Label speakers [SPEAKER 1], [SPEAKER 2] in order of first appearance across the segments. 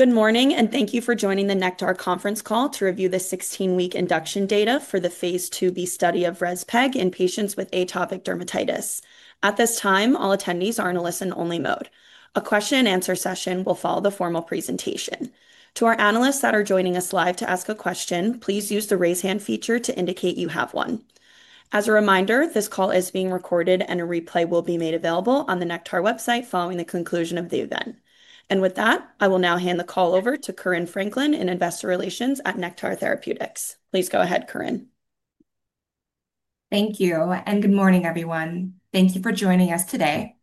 [SPEAKER 1] Good morning, and thank you for joining the Nektar conference call to review the 16-week induction data for the phase IIB study of REZPEG in patients with atopic dermatitis. At this time, all attendees are in a listen-only mode. A question-and-answer session will follow the formal presentation. To our analysts that are joining us live to ask a question, please use the raise hand feature to indicate you have one. As a reminder, this call is being recorded, and a replay will be made available on the Nektar website following the conclusion of the event. With that, I will now hand the call over to Corinne Franklin in Investor Relations at Nektar Therapeutics. Please go ahead, Corinne.
[SPEAKER 2] Thank you, and good morning, everyone. Thank you for joining us today.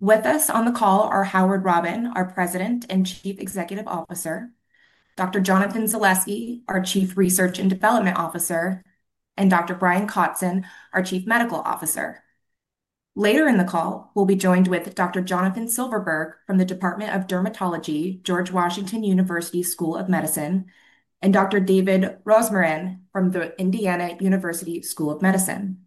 [SPEAKER 2] With us on the call are Howard Robin, our President and Chief Executive Officer; Dr. Jonathan Zalevsky, our Chief Research and Development Officer; and Dr. Brian Kotzin, our Chief Medical Officer. Later in the call, we'll be joined with Dr. Jonathan Silverberg from the Department of Dermatology, George Washington University School of Medicine, and Dr. David Rosmarin from the Indiana University School of Medicine.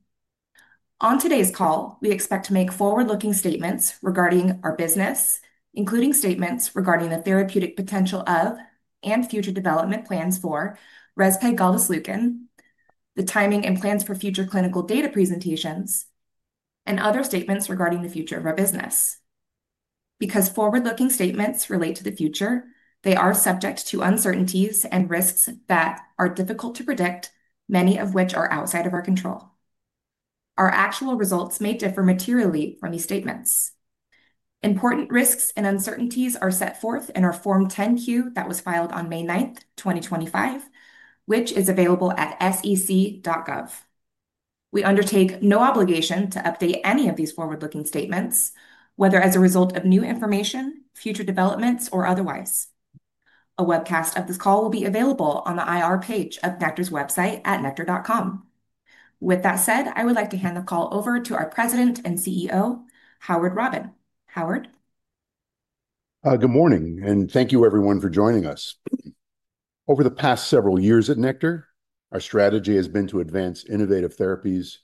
[SPEAKER 2] On today's call, we expect to make forward-looking statements regarding our business, including statements regarding the therapeutic potential of and future development plans for REZPEG, rezpegaldesleukin, the timing and plans for future clinical data presentations, and other statements regarding the future of our business. Because forward-looking statements relate to the future, they are subject to uncertainties and risks that are difficult to predict, many of which are outside of our control. Our actual results may differ materially from these statements. Important risks and uncertainties are set forth in our Form 10Q that was filed on May 9, 2025, which is available at sec.gov. We undertake no obligation to update any of these forward-looking statements, whether as a result of new information, future developments, or otherwise. A webcast of this call will be available on the IR page of Nektar's website at nektar.com. With that said, I would like to hand the call over to our President and CEO, Howard Robin. Howard.
[SPEAKER 3] Good morning, and thank you, everyone, for joining us. Over the past several years at Nektar, our strategy has been to advance innovative therapies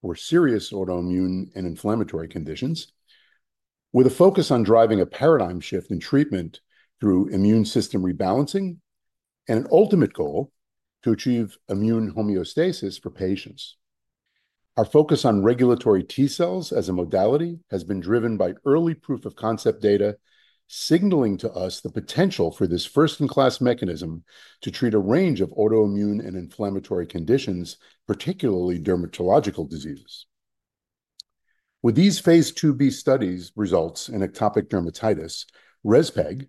[SPEAKER 3] for serious autoimmune and inflammatory conditions, with a focus on driving a paradigm shift in treatment through immune system rebalancing and an ultimate goal to achieve immune homeostasis for patients. Our focus on regulatory T cells as a modality has been driven by early proof-of-concept data signaling to us the potential for this first-in-class mechanism to treat a range of autoimmune and inflammatory conditions, particularly dermatological diseases. With these phase IIB studies' results in atopic dermatitis, REZPEG,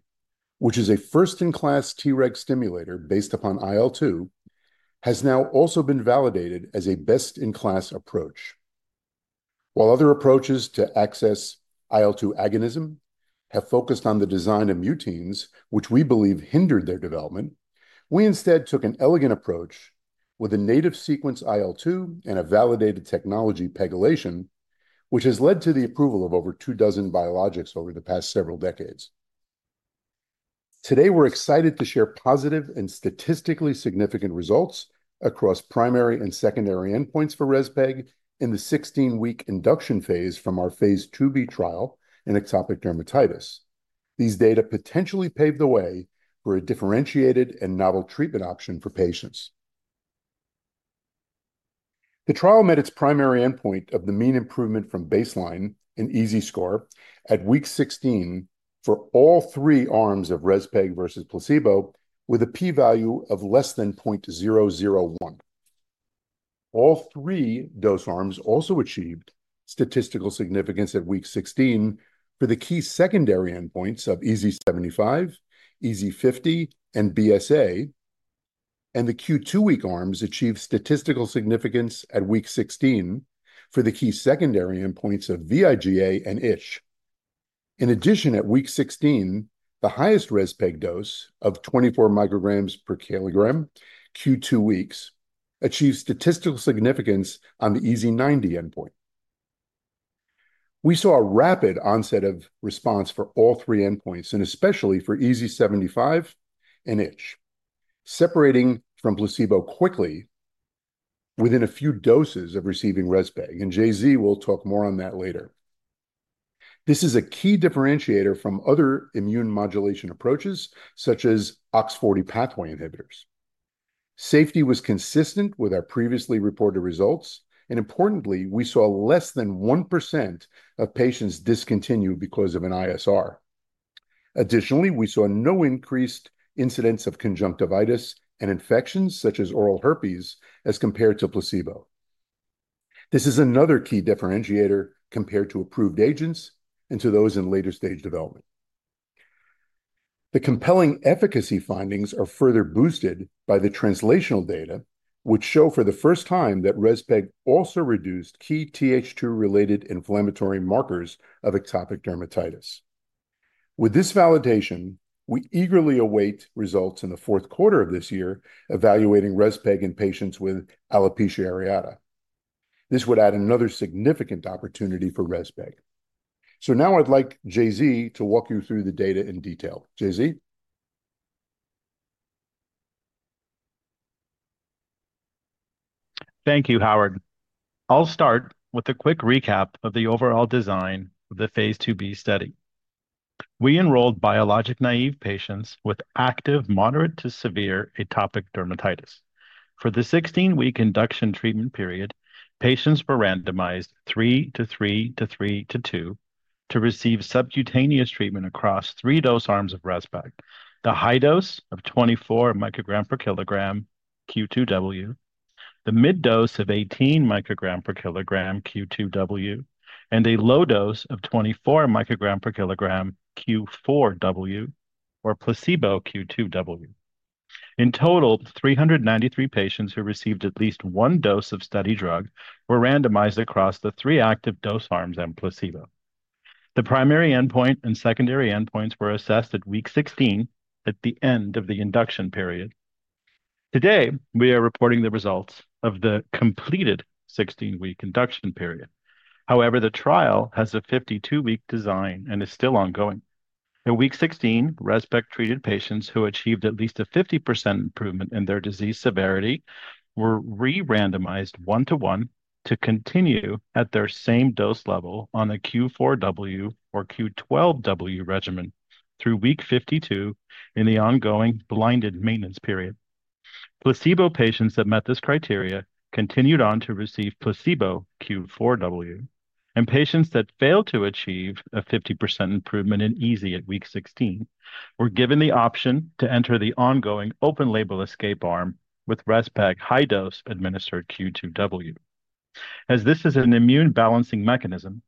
[SPEAKER 3] which is a first-in-class Treg stimulator based upon IL-2, has now also been validated as a best-in-class approach. While other approaches to access IL-2 agonism have focused on the design of muteins, which we believe hindered their development, we instead took an elegant approach with a native sequence IL-2 and a validated technology, pegylation, which has led to the approval of over two dozen biologics over the past several decades. Today, we're excited to share positive and statistically significant results across primary and secondary endpoints for REZPEG in the 16-week induction phase from our phase IIB trial in atopic dermatitis. These data potentially pave the way for a differentiated and novel treatment option for patients. The trial met its primary endpoint of the mean improvement from baseline in EASI score at week 16 for all three arms of REZPEG versus placebo, with a p-value of less than 0.001. All three dose arms also achieved statistical significance at week 16 for the key secondary endpoints of EASI 75, EASI 50, and BSA, and the Q2 week arms achieved statistical significance at week 16 for the key secondary endpoints of vIGA and Itch NRS. In addition, at week 16, the highest REZPEG dose of 24 micrograms per kilogram, Q2 weeks, achieved statistical significance on the EASI 90 endpoint. We saw a rapid onset of response for all three endpoints, and especially for EASI 75 and Itch NRS, separating from placebo quickly within a few doses of receiving REZPEG, and JZ will talk more on that later. This is a key differentiator from other immune modulation approaches, such as OX40 pathway inhibitors. Safety was consistent with our previously reported results, and importantly, we saw less than 1% of patients discontinue because of an ISR. Additionally, we saw no increased incidence of conjunctivitis and infections, such as oral herpes, as compared to placebo. This is another key differentiator compared to approved agents and to those in later stage development. The compelling efficacy findings are further boosted by the translational data, which show for the first time that REZPEG also reduced key TH2-related inflammatory markers of atopic dermatitis. With this validation, we eagerly await results in the fourth quarter of this year, evaluating REZPEG in patients with alopecia areata. This would add another significant opportunity for REZPEG. Now I'd like JZ to walk you through the data in detail. JZ.
[SPEAKER 4] Thank you, Howard. I'll start with a quick recap of the overall design of the phase IIB study. We enrolled biologic naive patients with active, moderate to severe atopic dermatitis. For the 16-week induction treatment period, patients were randomized 3 to 3 to 3 to 2 to receive subcutaneous treatment across three dose arms of REZPEG: the high dose of 24 micrograms per kilogram, Q2W; the mid dose of 18 micrograms per kilogram, Q2W; and a low dose of 24 micrograms per kilogram, Q4W, or placebo Q2W. In total, 393 patients who received at least one dose of study drug were randomized across the three active dose arms and placebo. The primary endpoint and secondary endpoints were assessed at week 16, at the end of the induction period. Today, we are reporting the results of the completed 16-week induction period. However, the trial has a 52-week design and is still ongoing. In week 16, REZPEG-treated patients who achieved at least a 50% improvement in their disease severity were re-randomized one-to-one to continue at their same dose level on the Q4W or Q12W regimen through week 52 in the ongoing blinded maintenance period. Placebo patients that met this criteria continued on to receive placebo Q4W, and patients that failed to achieve a 50% improvement in EASI at week 16 were given the option to enter the ongoing open-label escape arm with REZPEG high dose administered Q2W. As this is an immune balancing mechanism,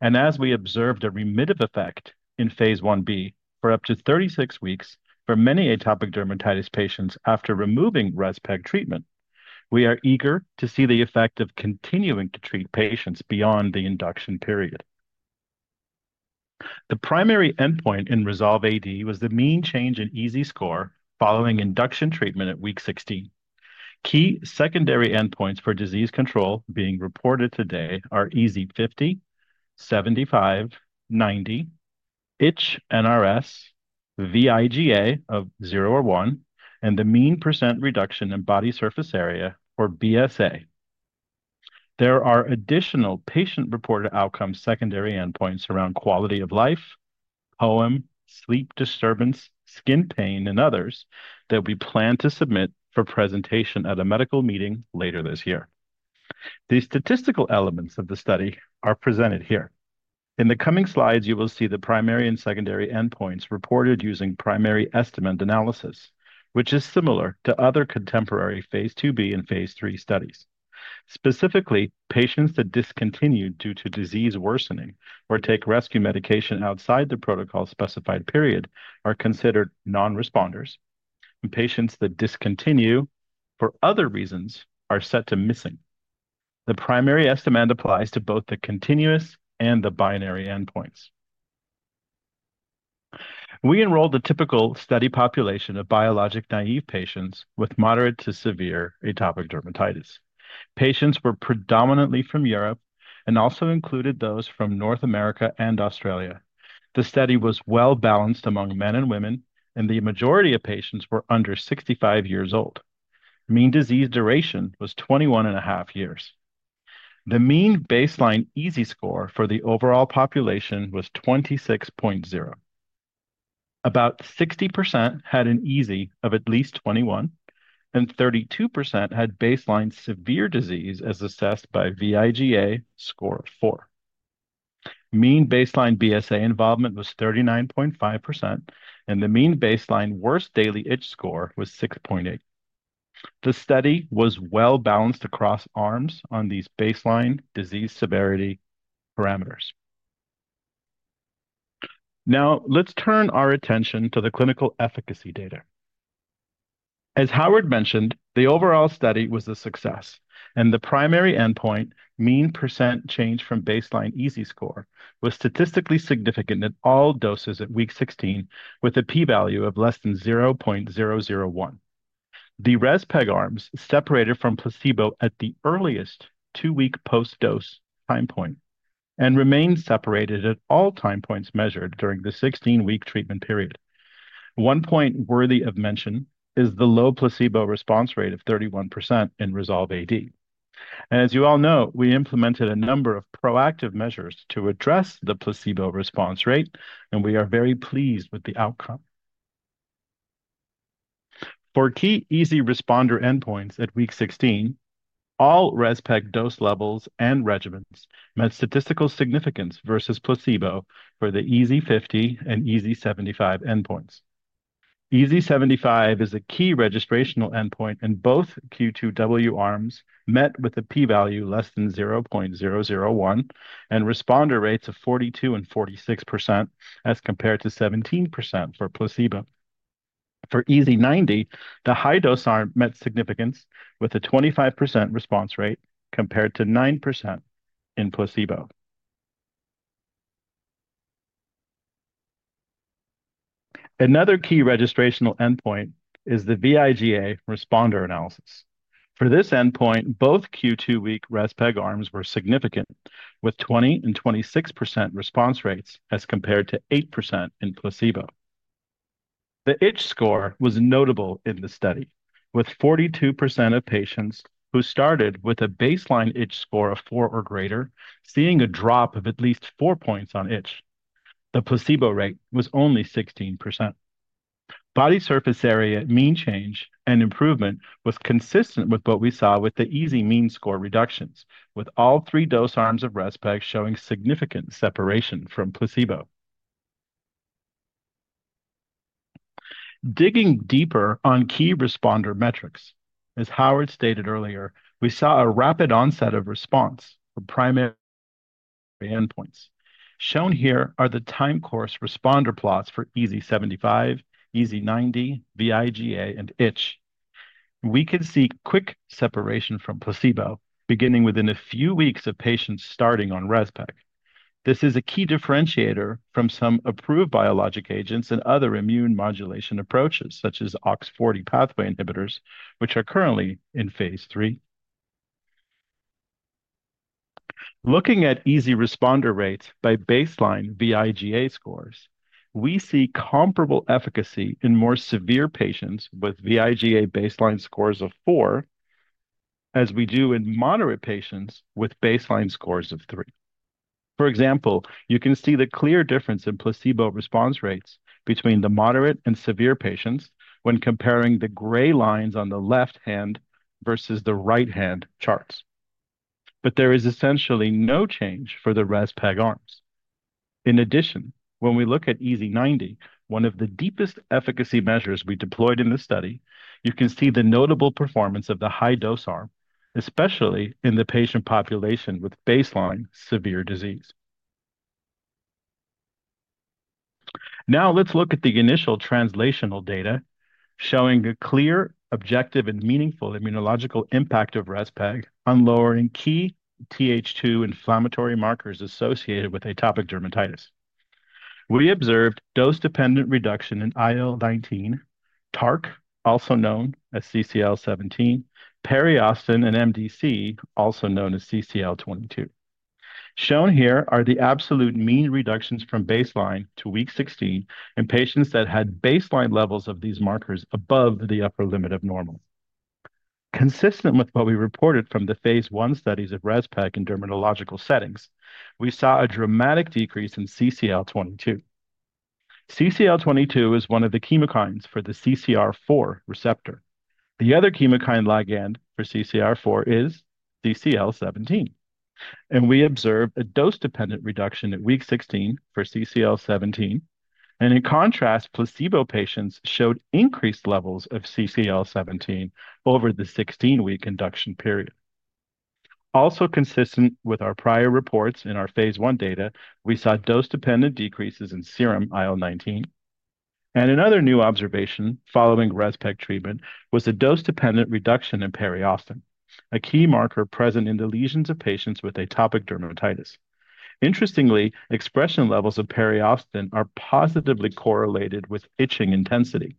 [SPEAKER 4] and as we observed a remissive effect in phase IB for up to 36 weeks for many atopic dermatitis patients after removing REZPEG treatment, we are eager to see the effect of continuing to treat patients beyond the induction period. The primary endpoint in REZOLVE-AD was the mean change in EASI score following induction treatment at week 16. Key secondary endpoints for disease control being reported today are EASI 50, 75, 90, Itch NRS, vIGA of 0 or 1, and the mean percent reduction in body surface area or BSA. There are additional patient-reported outcome secondary endpoints around quality of life, POEM, sleep disturbance, skin pain, and others that we plan to submit for presentation at a medical meeting later this year. The statistical elements of the study are presented here. In the coming slides, you will see the primary and secondary endpoints reported using primary estimate analysis, which is similar to other contemporary phase IIB and phase III studies. Specifically, patients that discontinued due to disease worsening or take rescue medication outside the protocol-specified period are considered non-responders, and patients that discontinue for other reasons are set to missing. The primary estimate applies to both the continuous and the binary endpoints. We enrolled the typical study population of biologic naive patients with moderate to severe atopic dermatitis. Patients were predominantly from Europe and also included those from North America and Australia. The study was well-balanced among men and women, and the majority of patients were under 65 years old. Mean disease duration was 21 and a half years. The mean baseline EASI score for the overall population was 26.0. About 60% had an EASI of at least 21, and 32% had baseline severe disease as assessed by vIGA score of 4. Mean baseline BSA involvement was 39.5%, and the mean baseline worst daily Itch NRS score was 6.8. The study was well-balanced across arms on these baseline disease severity parameters. Now, let's turn our attention to the clinical efficacy data. As Howard mentioned, the overall study was a success, and the primary endpoint, mean percent change from baseline EASI score, was statistically significant at all doses at week 16, with a p-value of less than 0.001. The REZPEG arms separated from placebo at the earliest two-week post-dose time point and remained separated at all time points measured during the 16-week treatment period. One point worthy of mention is the low placebo response rate of 31% in REZOLVE-AD. As you all know, we implemented a number of proactive measures to address the placebo response rate, and we are very pleased with the outcome. For key EASI responder endpoints at week 16, all REZPEG dose levels and regimens met statistical significance versus placebo for the EASI 50 and EASI 75 endpoints. EASI 75 is a key registrational endpoint in both Q2W arms met with a p-value less than 0.001 and responder rates of 42% and 46% as compared to 17% for placebo. For EASI 90, the high dose arm met significance with a 25% response rate compared to 9% in placebo. Another key registrational endpoint is the vIGA responder analysis. For this endpoint, both Q2 week REZPEG arms were significant, with 20% and 26% response rates as compared to 8% in placebo. The Itch NRS score was notable in the study, with 42% of patients who started with a baseline Itch NRS score of 4 or greater seeing a drop of at least 4 points on Itch NRS. The placebo rate was only 16%. Body surface area mean change and improvement was consistent with what we saw with the EASI mean score reductions, with all three dose arms of REZPEG showing significant separation from placebo. Digging deeper on key responder metrics, as Howard stated earlier, we saw a rapid onset of response for primary endpoints. Shown here are the time course responder plots for EASI 75, EASI 90, vIGA, and Itch NRS. We could see quick separation from placebo beginning within a few weeks of patients starting on REZPEG. This is a key differentiator from some approved biologic agents and other immune modulation approaches, such as OX40 pathway inhibitors, which are currently in phase III. Looking at EASI responder rates by baseline vIGA scores, we see comparable efficacy in more severe patients with vIGA baseline scores of 4, as we do in moderate patients with baseline scores of 3. For example, you can see the clear difference in placebo response rates between the moderate and severe patients when comparing the gray lines on the left hand versus the right hand charts. There is essentially no change for the REZPEG arms. In addition, when we look at EASI 90, one of the deepest efficacy measures we deployed in the study, you can see the notable performance of the high dose arm, especially in the patient population with baseline severe disease. Now, let's look at the initial translational data showing a clear, objective, and meaningful immunological impact of REZPEG on lowering key Th2 inflammatory markers associated with atopic dermatitis. We observed dose-dependent reduction in IL-19, TARC, also known as CCL17, periostin, and MDC, also known as CCL22. Shown here are the absolute mean reductions from baseline to week 16 in patients that had baseline levels of these markers above the upper limit of normal. Consistent with what we reported from the phase I studies of REZPEG in dermatological settings, we saw a dramatic decrease in CCL22. CCL22 is one of the chemokines for the CCR4 receptor. The other chemokine ligand for CCR4 is CCL17. We observed a dose-dependent reduction at week 16 for CCL17. In contrast, placebo patients showed increased levels of CCL17 over the 16-week induction period. Also consistent with our prior reports in our phase I data, we saw dose-dependent decreases in serum IL-19. Another new observation following REZPEG treatment was a dose-dependent reduction in periostin, a key marker present in the lesions of patients with atopic dermatitis. Interestingly, expression levels of periostin are positively correlated with itching intensity.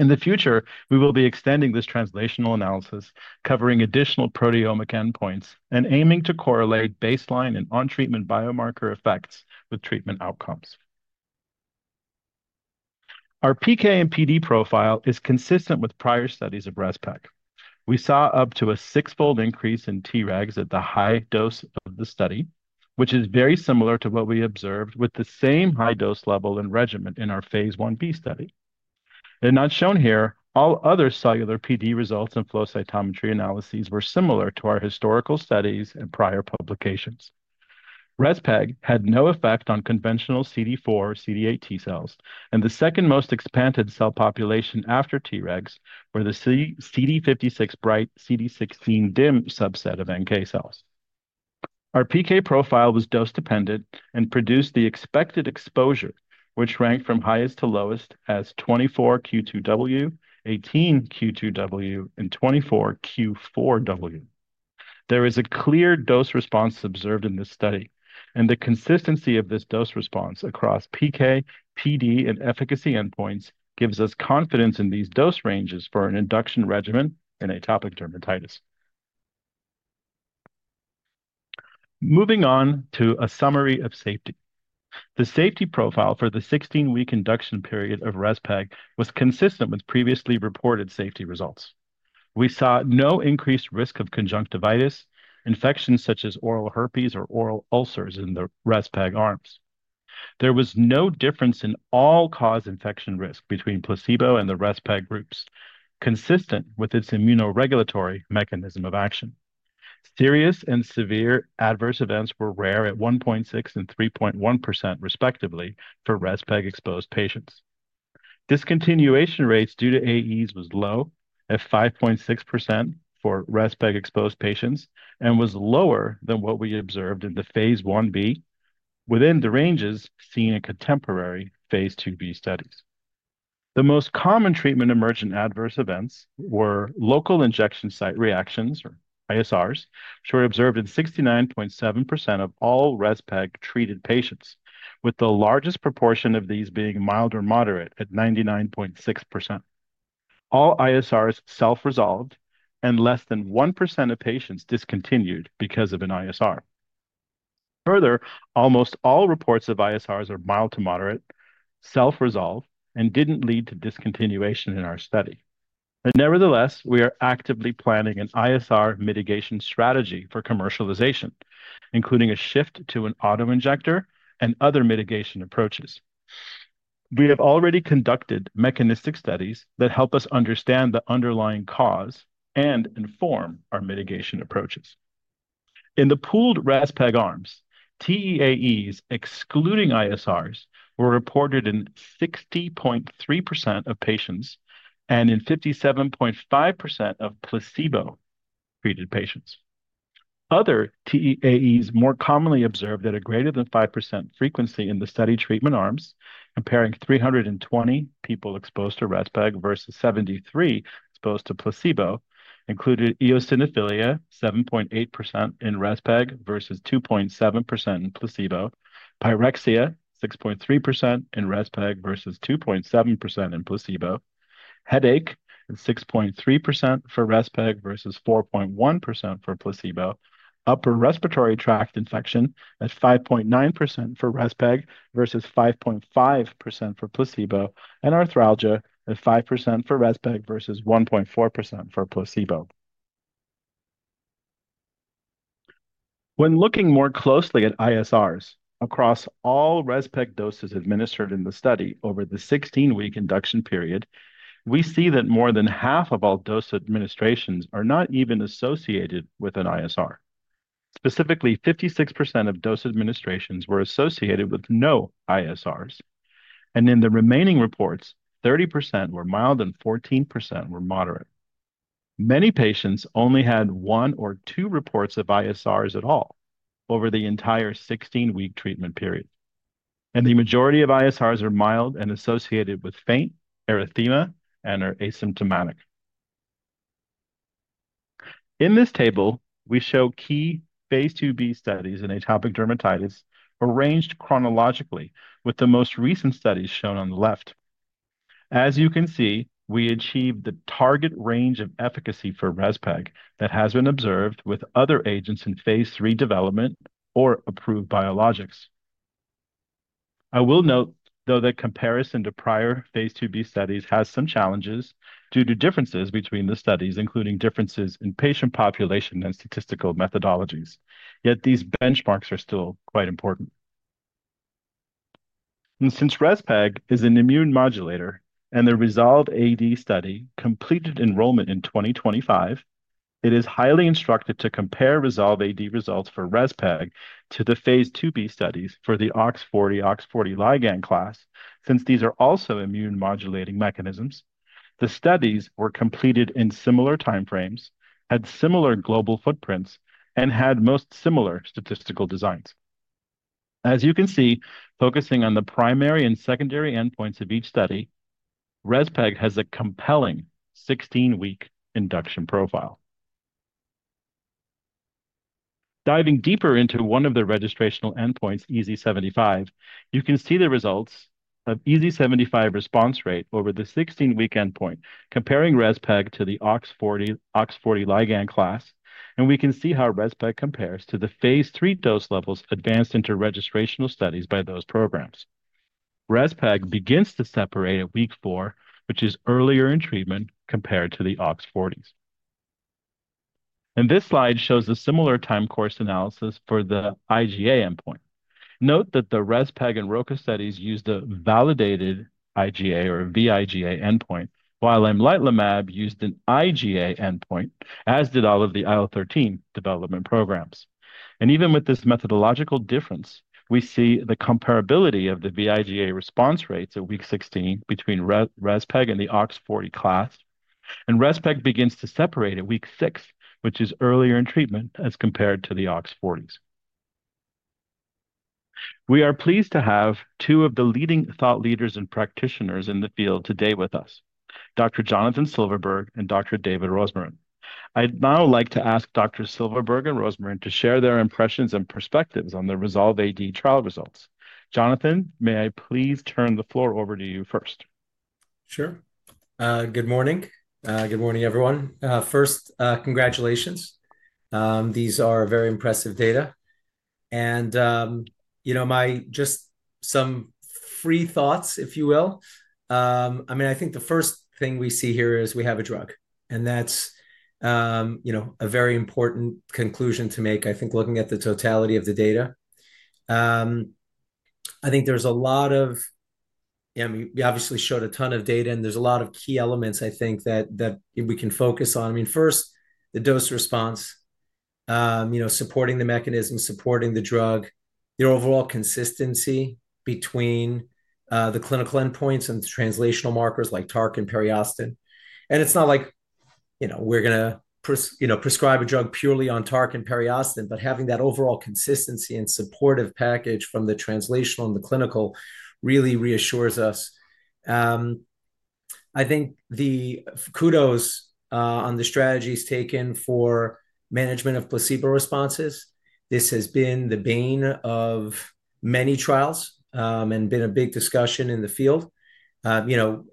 [SPEAKER 4] In the future, we will be extending this translational analysis, covering additional proteomic endpoints and aiming to correlate baseline and on-treatment biomarker effects with treatment outcomes. Our PK and PD profile is consistent with prior studies of REZPEG. We saw up to a six-fold increase in Tregs at the high dose of the study, which is very similar to what we observed with the same high dose level and regimen in our phase IB study. Not shown here, all other cellular PD results and flow cytometry analyses were similar to our historical studies and prior publications. REZPEG had no effect on conventional CD4 or CD8 T cells, and the second most expanded cell population after Tregs were the CD56 bright, CD16 dim subset of NK cells. Our PK profile was dose-dependent and produced the expected exposure, which ranked from highest to lowest as 24 Q2W, 18 Q2W, and 24 Q4W. There is a clear dose response observed in this study, and the consistency of this dose response across PK, PD, and efficacy endpoints gives us confidence in these dose ranges for an induction regimen in atopic dermatitis. Moving on to a summary of safety. The safety profile for the 16-week induction period of REZPEG was consistent with previously reported safety results. We saw no increased risk of conjunctivitis, infections such as oral herpes or oral ulcers in the REZPEG arms. There was no difference in all-cause infection risk between placebo and the REZPEG groups, consistent with its immunoregulatory mechanism of action. Serious and severe adverse events were rare at 1.6% and 3.1%, respectively, for REZPEG-exposed patients. Discontinuation rates due to AEs was low at 5.6% for REZPEG-exposed patients and was lower than what we observed in the phase IB, within the ranges seen in contemporary phase IIB studies. The most common treatment-emergent adverse events were local injection site reactions, or ISRs, which were observed in 69.7% of all REZPEG-treated patients, with the largest proportion of these being mild or moderate at 99.6%. All ISRs self-resolved, and less than 1% of patients discontinued because of an ISR. Further, almost all reports of ISRs are mild to moderate, self-resolve, and didn't lead to discontinuation in our study. Nevertheless, we are actively planning an ISR mitigation strategy for commercialization, including a shift to an autoinjector and other mitigation approaches. We have already conducted mechanistic studies that help us understand the underlying cause and inform our mitigation approaches. In the pooled REZPEG arms, TEAEs excluding ISRs were reported in 60.3% of patients and in 57.5% of placebo-treated patients. Other TEAEs more commonly observed at a greater than 5% frequency in the study treatment arms, comparing 320 people exposed to REZPEG versus 73 exposed to placebo, included eosinophilia 7.8% in REZPEG versus 2.7% in placebo, pyrexia 6.3% in REZPEG versus 2.7% in placebo, headache 6.3% for REZPEG versus 4.1% for placebo, upper respiratory tract infection at 5.9% for REZPEG versus 5.5% for placebo, and arthralgia at 5% for REZPEG versus 1.4% for placebo. When looking more closely at ISRs across all REZPEG doses administered in the study over the 16-week induction period, we see that more than half of all dose administrations are not even associated with an ISR. Specifically, 56% of dose administrations were associated with no ISRs. In the remaining reports, 30% were mild and 14% were moderate. Many patients only had one or two reports of ISRs at all over the entire 16-week treatment period. The majority of ISRs are mild and associated with faint erythema and are asymptomatic. In this table, we show key phase IIB studies in atopic dermatitis arranged chronologically with the most recent studies shown on the left. As you can see, we achieved the target range of efficacy for REZPEG that has been observed with other agents in phase III development or approved biologics. I will note, though, that comparison to prior phase IIB studies has some challenges due to differences between the studies, including differences in patient population and statistical methodologies. Yet these benchmarks are still quite important. Since REZPEG is an immune modulator and the REZOLVE-AD study completed enrollment in 2025, it is highly instructive to compare REZOLVE-AD results for REZPEG to the phase IIB studies for the OX40/OX40 ligand class, since these are also immune modulating mechanisms. The studies were completed in similar time frames, had similar global footprints, and had most similar statistical designs. As you can see, focusing on the primary and secondary endpoints of each study, REZPEG has a compelling 16-week induction profile. Diving deeper into one of the registrational endpoints, EASI 75, you can see the results of EASI 75 response rate over the 16-week endpoint, comparing REZPEG to the OX40 ligand class. We can see how REZPEG compares to the phase III dose levels advanced into registrational studies by those programs. REZPEG begins to separate at week 4, which is earlier in treatment compared to the OX40s. This slide shows a similar time course analysis for the IGA endpoint. Note that the REZPEG and ROCA studies used a validated IGA or vIGA endpoint, while Mlight-Lamab used an IGA endpoint, as did all of the IL-13 development programs. Even with this methodological difference, we see the comparability of the vIGA response rates at week 16 between REZPEG and the OX40 class. REZPEG begins to separate at week 6, which is earlier in treatment as compared to the OX40s. We are pleased to have two of the leading thought leaders and practitioners in the field today with us, Dr. Jonathan Silverberg and Dr. David Rosmarin. I'd now like to ask Dr. Silverberg and Dr. Rosmarin to share their impressions and perspectives on the REZOLVE-AD trial results. Jonathan, may I please turn the floor over to you first?
[SPEAKER 5] Sure. Good morning. Good morning, everyone. First, congratulations. These are very impressive data. You know, just some free thoughts, if you will. I mean, I think the first thing we see here is we have a drug. That's a very important conclusion to make, I think, looking at the totality of the data. I think there's a lot of, I mean, we obviously showed a ton of data, and there's a lot of key elements, I think, that we can focus on. I mean, first, the dose response, you know, supporting the mechanism, supporting the drug, the overall consistency between the clinical endpoints and the translational markers like TARC and periostin. It's not like, you know, we're going to prescribe a drug purely on TARC and periostin, but having that overall consistency and supportive package from the translational and the clinical really reassures us. I think the kudos on the strategies taken for management of placebo responses, this has been the bane of many trials and been a big discussion in the field. You know,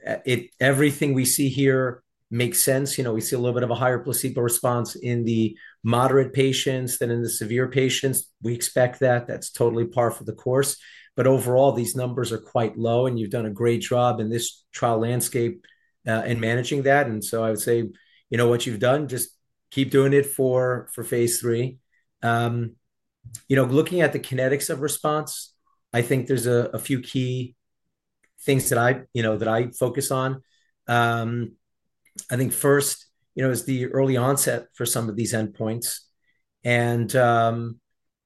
[SPEAKER 5] everything we see here makes sense. You know, we see a little bit of a higher placebo response in the moderate patients than in the severe patients. We expect that. That's totally par for the course. Overall, these numbers are quite low, and you've done a great job in this trial landscape in managing that. I would say, you know, what you've done, just keep doing it for phase III. You know, looking at the kinetics of response, I think there's a few key things that I focus on. I think first, you know, is the early onset for some of these endpoints.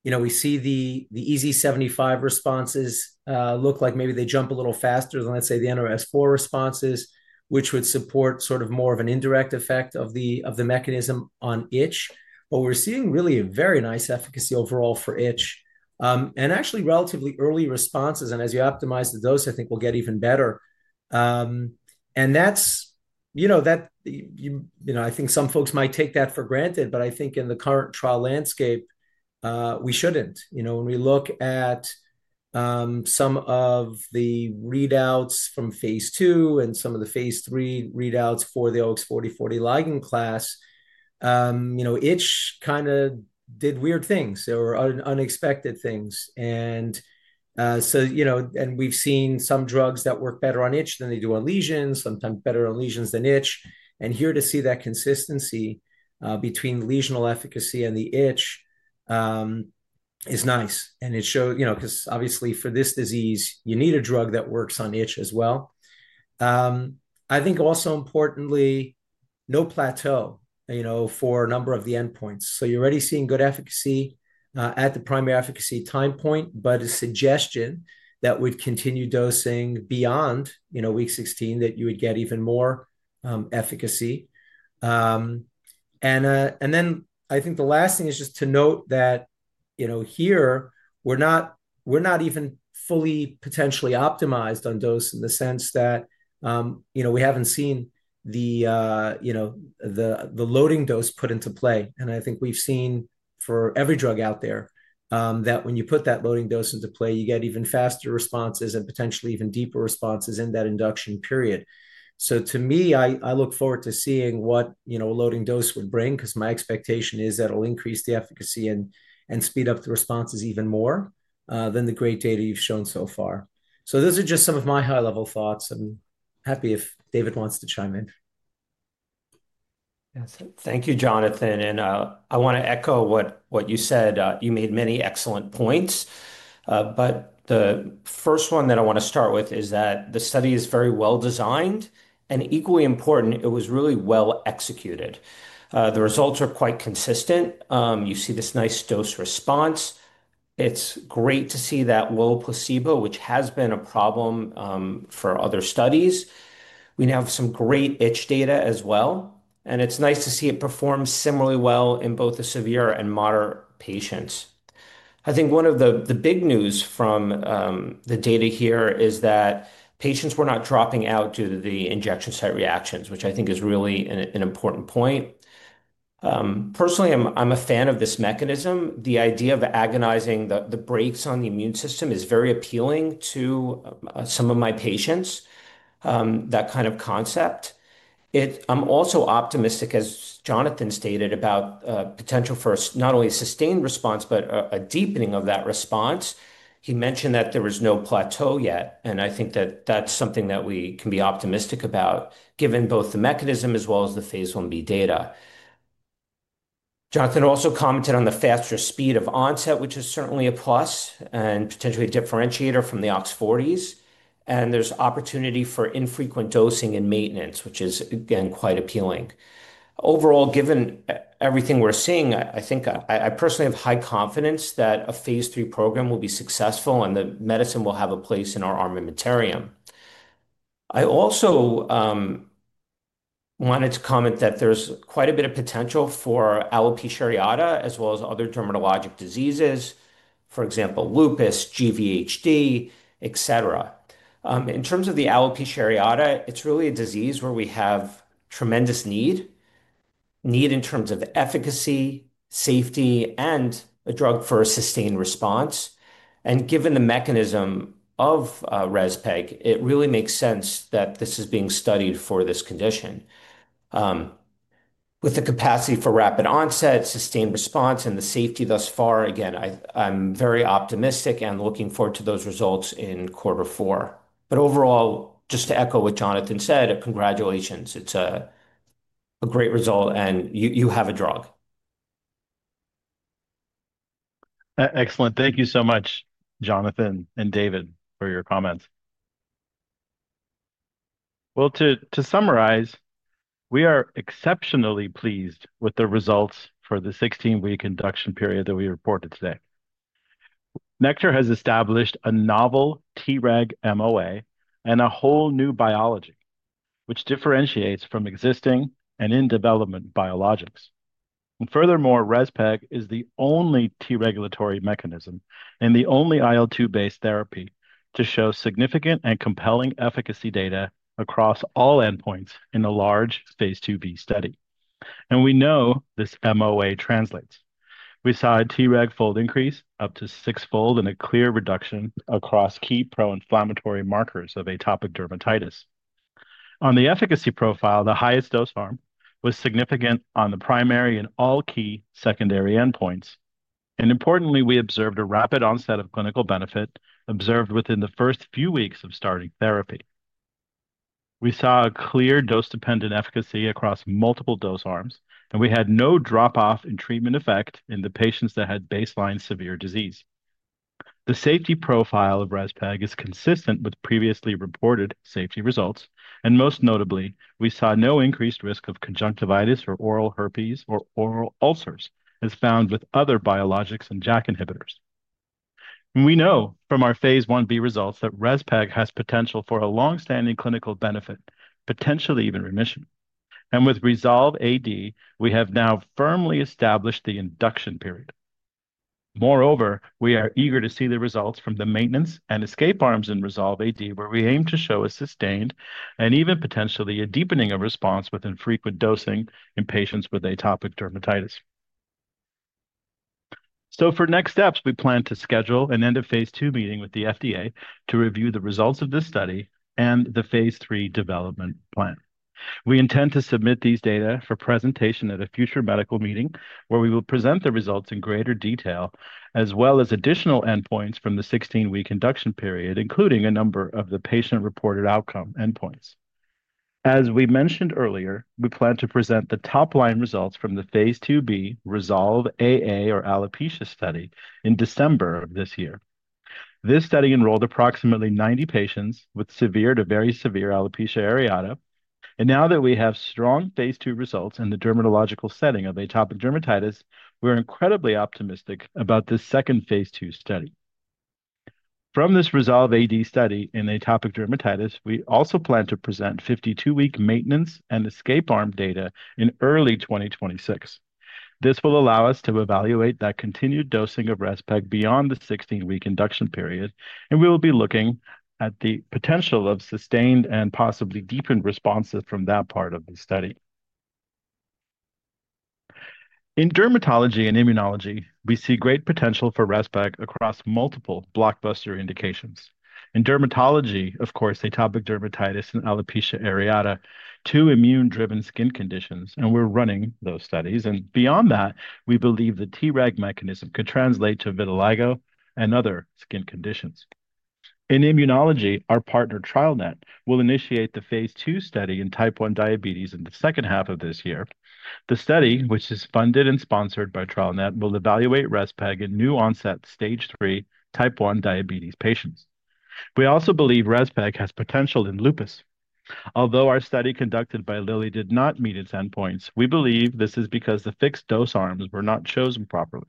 [SPEAKER 5] You know, we see the EASI 75 responses look like maybe they jump a little faster than, let's say, the NRS4 responses, which would support sort of more of an indirect effect of the mechanism on itch. We're seeing really a very nice efficacy overall for itch. Actually, relatively early responses. As you optimize the dose, I think we'll get even better. You know, I think some folks might take that for granted, but I think in the current trial landscape, we shouldn't. You know, when we look at some of the readouts from phase II and some of the phase III readouts for the OX40/OX40 ligand class, itch kind of did weird things. There were unexpected things. And so, you know, and we've seen some drugs that work better on itch than they do on lesions, sometimes better on lesions than itch. Here to see that consistency between lesional efficacy and the itch is nice. It shows, you know, because obviously for this disease, you need a drug that works on itch as well. I think also importantly, no plateau, you know, for a number of the endpoints. You're already seeing good efficacy at the primary efficacy time point, but a suggestion that would continue dosing beyond, you know, week 16, that you would get even more efficacy. I think the last thing is just to note that, you know, here, we're not even fully potentially optimized on dose in the sense that, you know, we haven't seen the, you know, the loading dose put into play. I think we've seen for every drug out there that when you put that loading dose into play, you get even faster responses and potentially even deeper responses in that induction period. To me, I look forward to seeing what, you know, a loading dose would bring because my expectation is that it'll increase the efficacy and speed up the responses even more than the great data you've shown so far. Those are just some of my high-level thoughts. I'm happy if David wants to chime in.
[SPEAKER 6] Yes. Thank you, Jonathan. I want to echo what you said. You made many excellent points. The first one that I want to start with is that the study is very well designed. Equally important, it was really well executed. The results are quite consistent. You see this nice dose response. It's great to see that low placebo, which has been a problem for other studies. We now have some great itch data as well. It's nice to see it perform similarly well in both the severe and moderate patients. I think one of the big news from the data here is that patients were not dropping out due to the injection site reactions, which I think is really an important point. Personally, I'm a fan of this mechanism. The idea of agonizing the brakes on the immune system is very appealing to some of my patients, that kind of concept. I'm also optimistic, as Jonathan stated, about potential for not only sustained response, but a deepening of that response. He mentioned that there was no plateau yet. I think that that's something that we can be optimistic about, given both the mechanism as well as the phase IB data. Jonathan also commented on the faster speed of onset, which is certainly a plus and potentially a differentiator from the OX40s. There's opportunity for infrequent dosing and maintenance, which is, again, quite appealing. Overall, given everything we're seeing, I think I personally have high confidence that a phase III program will be successful and the medicine will have a place in our armamentarium. I also wanted to comment that there's quite a bit of potential for alopecia areata as well as other dermatologic diseases, for example, lupus, GVHD, etc. In terms of the alopecia areata, it's really a disease where we have tremendous need, need in terms of efficacy, safety, and a drug for a sustained response. Given the mechanism of REZPEG, it really makes sense that this is being studied for this condition. With the capacity for rapid onset, sustained response, and the safety thus far, again, I'm very optimistic and looking forward to those results in quarter four. Overall, just to echo what Jonathan said, congratulations. It's a great result, and you have a drug.
[SPEAKER 4] Excellent. Thank you so much, Jonathan and David, for your comments. To summarize, we are exceptionally pleased with the results for the 16-week induction period that we reported today. Nektar has established a novel Treg MOA and a whole new biology, which differentiates from existing and in development biologics. Furthermore, REZPEG is the only T regulatory mechanism and the only IL-2 based therapy to show significant and compelling efficacy data across all endpoints in a large phase IIB study. We know this MOA translates. We saw a Treg fold increase up to sixfold and a clear reduction across key pro-inflammatory markers of atopic dermatitis. On the efficacy profile, the highest dose arm was significant on the primary and all key secondary endpoints. Importantly, we observed a rapid onset of clinical benefit observed within the first few weeks of starting therapy. We saw a clear dose-dependent efficacy across multiple dose arms, and we had no drop-off in treatment effect in the patients that had baseline severe disease. The safety profile of REZPEG is consistent with previously reported safety results. Most notably, we saw no increased risk of conjunctivitis or oral herpes or oral ulcers as found with other biologics and JAK inhibitors. We know from our phase IB results that REZPEG has potential for a long-standing clinical benefit, potentially even remission. With REZOLVE-AD, we have now firmly established the induction period. Moreover, we are eager to see the results from the maintenance and escape arms in REZOLVE-AD, where we aim to show a sustained and even potentially a deepening of response with infrequent dosing in patients with atopic dermatitis. For next steps, we plan to schedule an end of phase II meeting with the FDA to review the results of this study and the phase III development plan. We intend to submit these data for presentation at a future medical meeting where we will present the results in greater detail as well as additional endpoints from the 16-week induction period, including a number of the patient-reported outcome endpoints. As we mentioned earlier, we plan to present the top-line results from the phase IIB REZOLVE-AA or alopecia study in December of this year. This study enrolled approximately 90 patients with severe to very severe alopecia areata. Now that we have strong phase II results in the dermatological setting of atopic dermatitis, we're incredibly optimistic about the second phase II study. From this REZOLVE-AD study in atopic dermatitis, we also plan to present 52-week maintenance and escape arm data in early 2026. This will allow us to evaluate that continued dosing of REZPEG beyond the 16-week induction period. We will be looking at the potential of sustained and possibly deepened responses from that part of the study. In dermatology and immunology, we see great potential for REZPEG across multiple blockbuster indications. In dermatology, of course, atopic dermatitis and alopecia areata, two immune-driven skin conditions, and we're running those studies. Beyond that, we believe the Treg mechanism could translate to vitiligo and other skin conditions. In immunology, our partner TrialNet will initiate the phase II study in type 1 diabetes in the second half of this year. The study, which is funded and sponsored by TrialNet, will evaluate REZPEG in new-onset stage 3 type 1 diabetes patients. We also believe REZPEG has potential in lupus. Although our study conducted by Lilly did not meet its endpoints, we believe this is because the fixed dose arms were not chosen properly.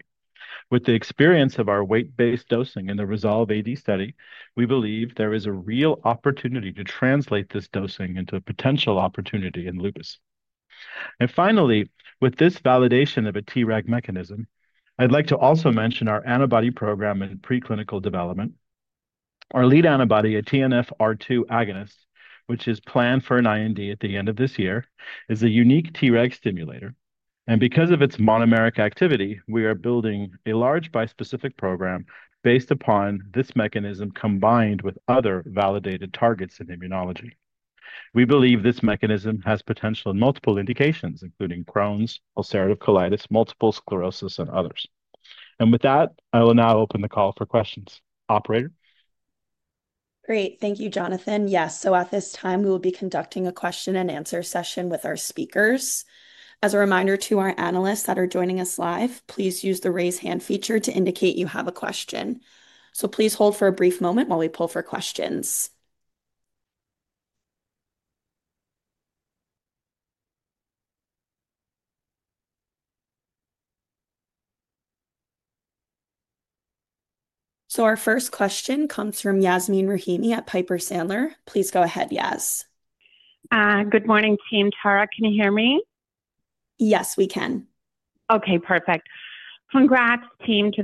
[SPEAKER 4] With the experience of our weight-based dosing in the REZOLVE-AD study, we believe there is a real opportunity to translate this dosing into a potential opportunity in lupus. Finally, with this validation of a Treg mechanism, I'd like to also mention our antibody program in preclinical development. Our lead antibody, a TNF-R2 agonist, which is planned for an IND at the end of this year, is a unique Treg stimulator. Because of its monomeric activity, we are building a large bispecific program based upon this mechanism combined with other validated targets in immunology. We believe this mechanism has potential in multiple indications, including Crohn's, ulcerative colitis, multiple sclerosis, and others. With that, I will now open the call for questions. Operator.
[SPEAKER 1] Great. Thank you, Jonathan. Yes. At this time, we will be conducting a question-and-answer session with our speakers. As a reminder to our analysts that are joining us live, please use the raise hand feature to indicate you have a question. Please hold for a brief moment while we pull for questions. Our first question comes from Yasmeen Rahimi at Piper Sandler. Please go ahead, Yas. Good morning, team. Tara, can you hear me? Yes, we can. Okay, perfect. Congrats, team, to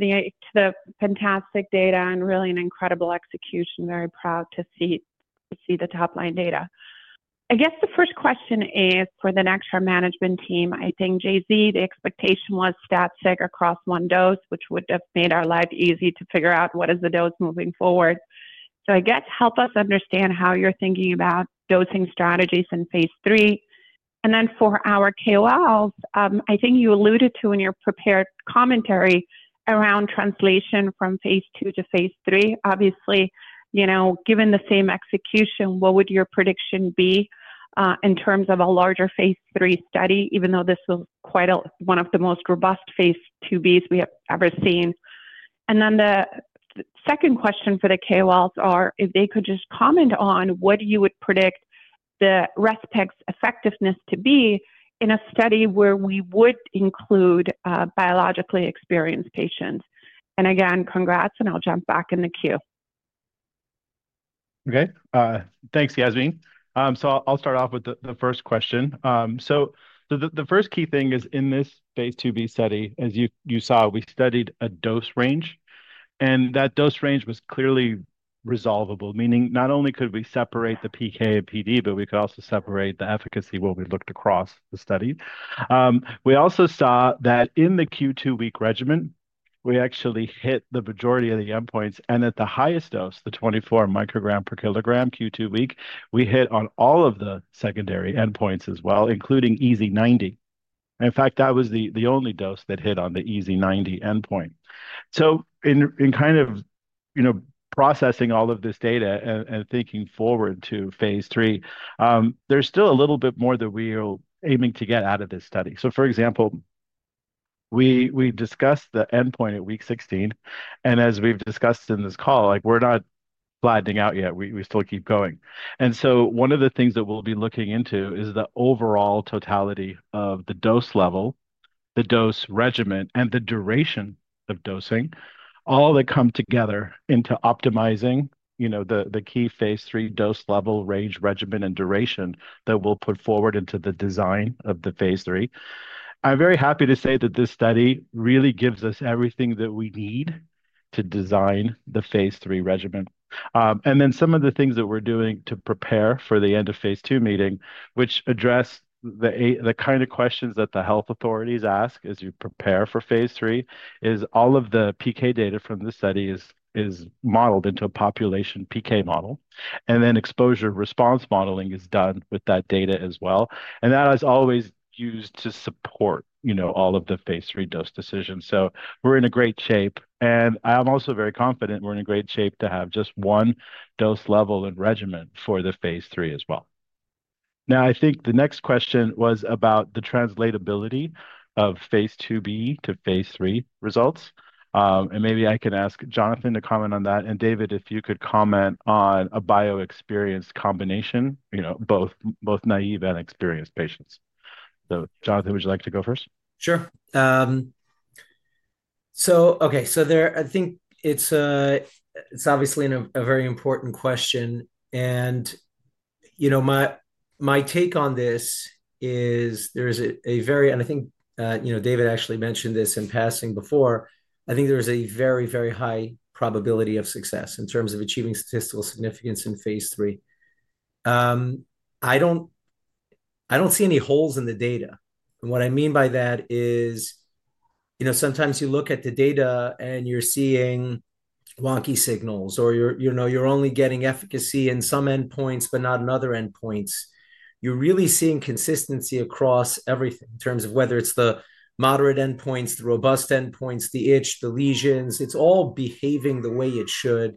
[SPEAKER 1] the fantastic data and really an incredible execution.
[SPEAKER 7] Very proud to see the top-line data. I guess the first question is for the Nektar management team. I think, Jay-Z, the expectation was static across one dose, which would have made our life easy to figure out what is the dose moving forward. I guess help us understand how you're thinking about dosing strategies in phase III. For our KOLs, I think you alluded to in your prepared commentary around translation from phase II to phase III. Obviously, you know, given the same execution, what would your prediction be in terms of a larger phase III study, even though this was quite one of the most robust phase IIBs we have ever seen? Then the second question for the KOLs is, if they could just comment on what you would predict REZPEG's effectiveness to be in a study where we would include biologically experienced patients. Again, congrats, and I'll jump back in the queue.
[SPEAKER 4] Okay. Thanks, Yasmeen. I'll start off with the first question. The first key thing is in this phase IIB study, as you saw, we studied a dose range. That dose range was clearly resolvable, meaning not only could we separate the PK and PD, but we could also separate the efficacy where we looked across the study. We also saw that in the Q2 week regimen, we actually hit the majority of the endpoints. At the highest dose, the 24 microgram per kilogram Q2 week, we hit on all of the secondary endpoints as well, including EZ90. In fact, that was the only dose that hit on the EASI90 endpoint. In kind of, you know, processing all of this data and thinking forward to phase III, there's still a little bit more that we are aiming to get out of this study. For example, we discussed the endpoint at week 16. As we've discussed in this call, like we're not flattening out yet. We still keep going. One of the things that we'll be looking into is the overall totality of the dose level, the dose regimen, and the duration of dosing, all that come together into optimizing, you know, the key phase III dose level range regimen and duration that we'll put forward into the design of the phase III. I'm very happy to say that this study really gives us everything that we need to design the phase III regimen. Some of the things that we're doing to prepare for the end of phase II meeting, which address the kind of questions that the health authorities ask as you prepare for phase III, is all of the PK data from the study is modeled into a population PK model. Then exposure response modeling is done with that data as well. That is always used to support, you know, all of the phase III dose decisions. We're in great shape. I'm also very confident we're in great shape to have just one dose level and regimen for the phase III as well. I think the next question was about the translatability of phase IIB to phase III results. Maybe I can ask Jonathan to comment on that. David, if you could comment on a bio-experienced combination, you know, both naive and experienced patients. Jonathan, would you like to go first?
[SPEAKER 5] Sure. Okay, I think it's obviously a very important question. You know, my take on this is there is a very, and I think, you know, David actually mentioned this in passing before, I think there is a very, very high probability of success in terms of achieving statistical significance in phase III. I don't see any holes in the data. What I mean by that is, you know, sometimes you look at the data and you're seeing wonky signals or, you know, you're only getting efficacy in some endpoints, but not in other endpoints. You're really seeing consistency across everything in terms of whether it's the moderate endpoints, the robust endpoints, the itch, the lesions, it's all behaving the way it should.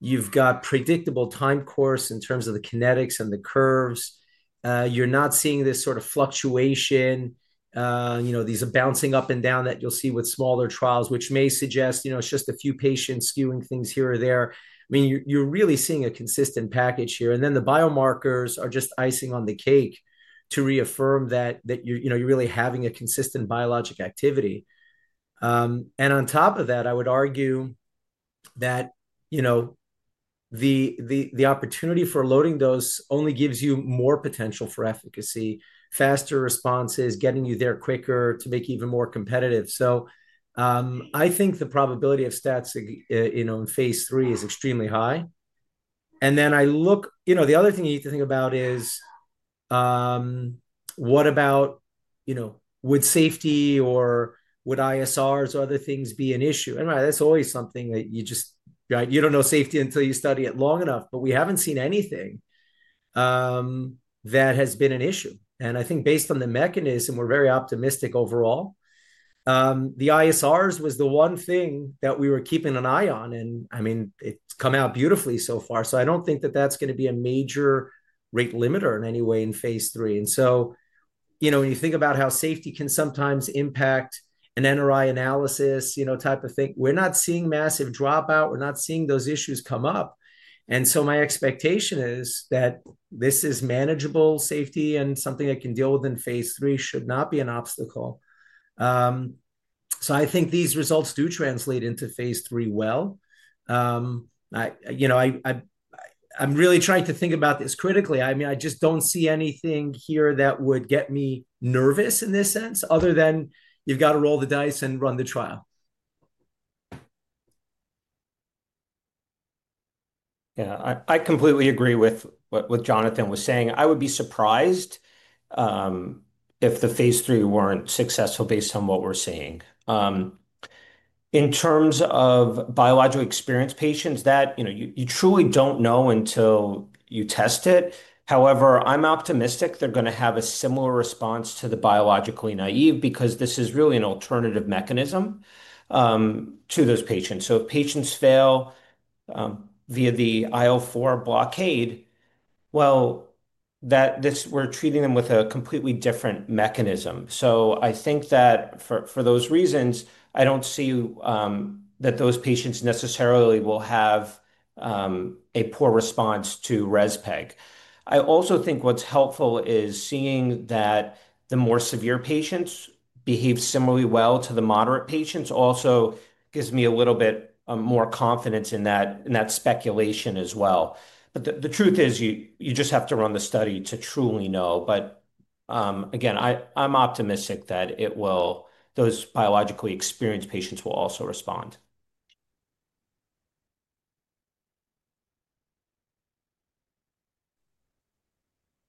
[SPEAKER 5] You've got predictable time course in terms of the kinetics and the curves. You're not seeing this sort of fluctuation, you know, these are bouncing up and down that you'll see with smaller trials, which may suggest, you know, it's just a few patients skewing things here or there. I mean, you're really seeing a consistent package here. The biomarkers are just icing on the cake to reaffirm that you're, you know, you're really having a consistent biologic activity. On top of that, I would argue that, you know, the opportunity for loading dose only gives you more potential for efficacy, faster responses, getting you there quicker to make you even more competitive. I think the probability of stats, you know, in phase III is extremely high. I look, you know, the other thing you need to think about is what about, you know, would safety or would ISRs or other things be an issue? That's always something that you just, you don't know safety until you study it long enough, but we haven't seen anything that has been an issue. I think based on the mechanism, we're very optimistic overall. The ISRs was the one thing that we were keeping an eye on. I mean, it's come out beautifully so far. I don't think that that's going to be a major rate limiter in any way in phase III. You know, when you think about how safety can sometimes impact an NRI analysis, you know, type of thing, we're not seeing massive dropout. We're not seeing those issues come up. My expectation is that this is manageable safety and something that can deal with in phase III should not be an obstacle. I think these results do translate into phase III well. You know, I'm really trying to think about this critically. I mean, I just don't see anything here that would get me nervous in this sense other than you've got to roll the dice and run the trial. Yeah, I completely agree with what Jonathan was saying. I would be surprised if the phase III weren't successful based on what we're seeing. In terms of biologically experienced patients, that, you know, you truly don't know until you test it. However, I'm optimistic they're going to have a similar response to the biologically naive because this is really an alternative mechanism to those patients. If patients fail via the IL-4 blockade, that is, we are treating them with a completely different mechanism. I think that for those reasons, I do not see that those patients necessarily will have a poor response to REZPEG. I also think what is helpful is seeing that the more severe patients behave similarly well to the moderate patients, which also gives me a little bit more confidence in that speculation as well. The truth is you just have to run the study to truly know. Again, I am optimistic that those biologically experienced patients will also respond.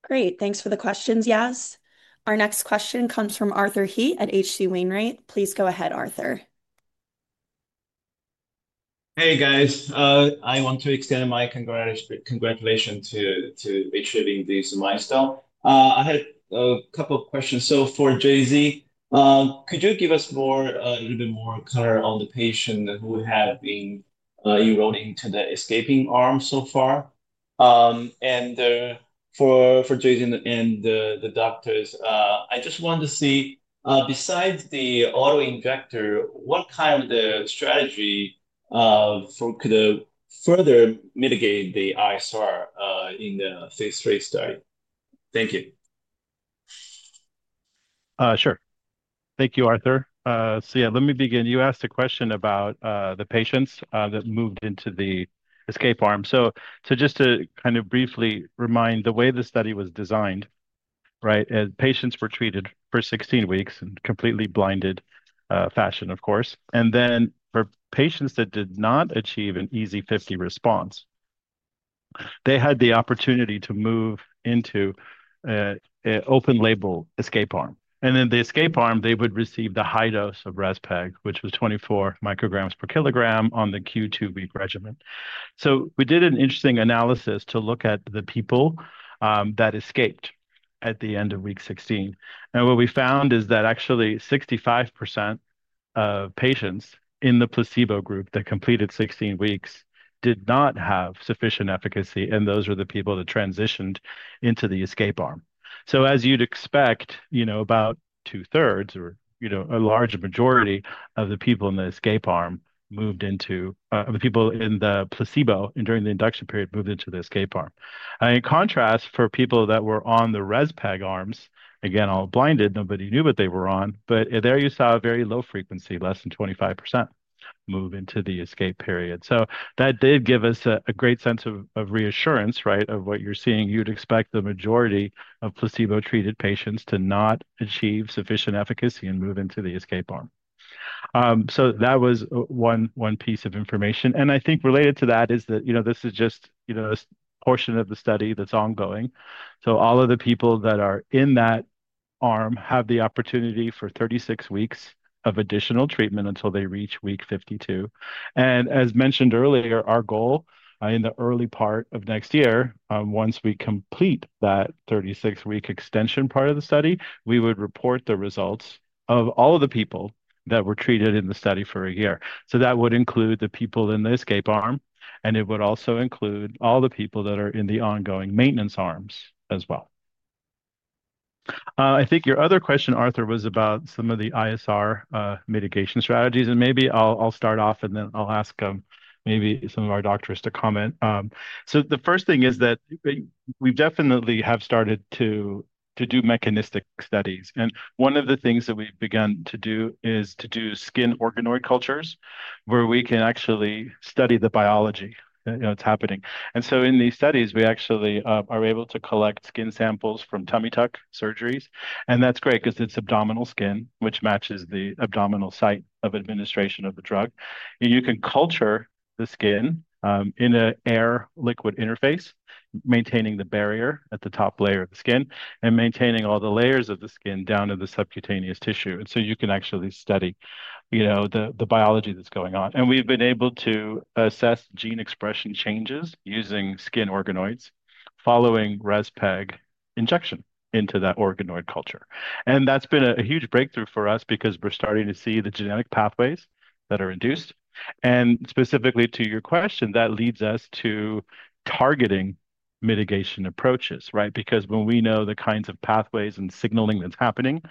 [SPEAKER 1] Great. Thanks for the questions, Yas. Our next question comes from Arthur Heat at H.C. Wainwright. Please go ahead, Arthur.
[SPEAKER 8] Hey, guys. I want to extend my congratulations to achieving this milestone. I had a couple of questions. For Jay-Z, could you give us a little bit more color on the patients who have been eroding to the escape arm so far? For Jay-Z and the doctors, I just want to see, besides the auto injector, what kind of strategy could further mitigate the ISR in the phase III study?
[SPEAKER 4] Thank you. Sure. Thank you, Arthur. Let me begin. You asked a question about the patients that moved into the escape arm. Just to kind of briefly remind the way the study was designed, right? Patients were treated for 16 weeks in completely blinded fashion, of course. For patients that did not achieve an EASI50 response, they had the opportunity to move into an open label escape arm. In the escape arm, they would receive the high dose of REZPEG, which was 24 micrograms per kilogram on the Q2 week regimen. We did an interesting analysis to look at the people that escaped at the end of week 16. What we found is that actually 65% of patients in the placebo group that completed 16 weeks did not have sufficient efficacy. Those were the people that transitioned into the escape arm. As you'd expect, you know, about two-thirds or, you know, a large majority of the people in the escape arm moved into, the people in the placebo and during the induction period moved into the escape arm. In contrast, for people that were on the REZPEG arms, again, all blinded, nobody knew what they were on. There you saw a very low frequency, less than 25% move into the escape period. That did give us a great sense of reassurance, right, of what you're seeing. You'd expect the majority of placebo-treated patients to not achieve sufficient efficacy and move into the escape arm. That was one piece of information. I think related to that is that, you know, this is just, you know, a portion of the study that's ongoing. All of the people that are in that arm have the opportunity for 36 weeks of additional treatment until they reach week 52. As mentioned earlier, our goal in the early part of next year, once we complete that 36-week extension part of the study, is to report the results of all of the people that were treated in the study for a year. That would include the people in the escape arm. It would also include all the people that are in the ongoing maintenance arms as well. I think your other question, Arthur, was about some of the ISR mitigation strategies. Maybe I'll start off and then I'll ask maybe some of our doctors to comment. The first thing is that we definitely have started to do mechanistic studies. One of the things that we've begun to do is to do skin organoid cultures where we can actually study the biology, you know, it's happening. In these studies, we actually are able to collect skin samples from tummy tuck surgeries. That's great because it's abdominal skin, which matches the abdominal site of administration of the drug. You can culture the skin in an air-liquid interface, maintaining the barrier at the top layer of the skin and maintaining all the layers of the skin down to the subcutaneous tissue. You can actually study, you know, the biology that's going on. We've been able to assess gene expression changes using skin organoids following REZPEG injection into that organoid culture. That's been a huge breakthrough for us because we're starting to see the genetic pathways that are induced. Specifically to your question, that leads us to targeting mitigation approaches, right? When we know the kinds of pathways and signaling that's happening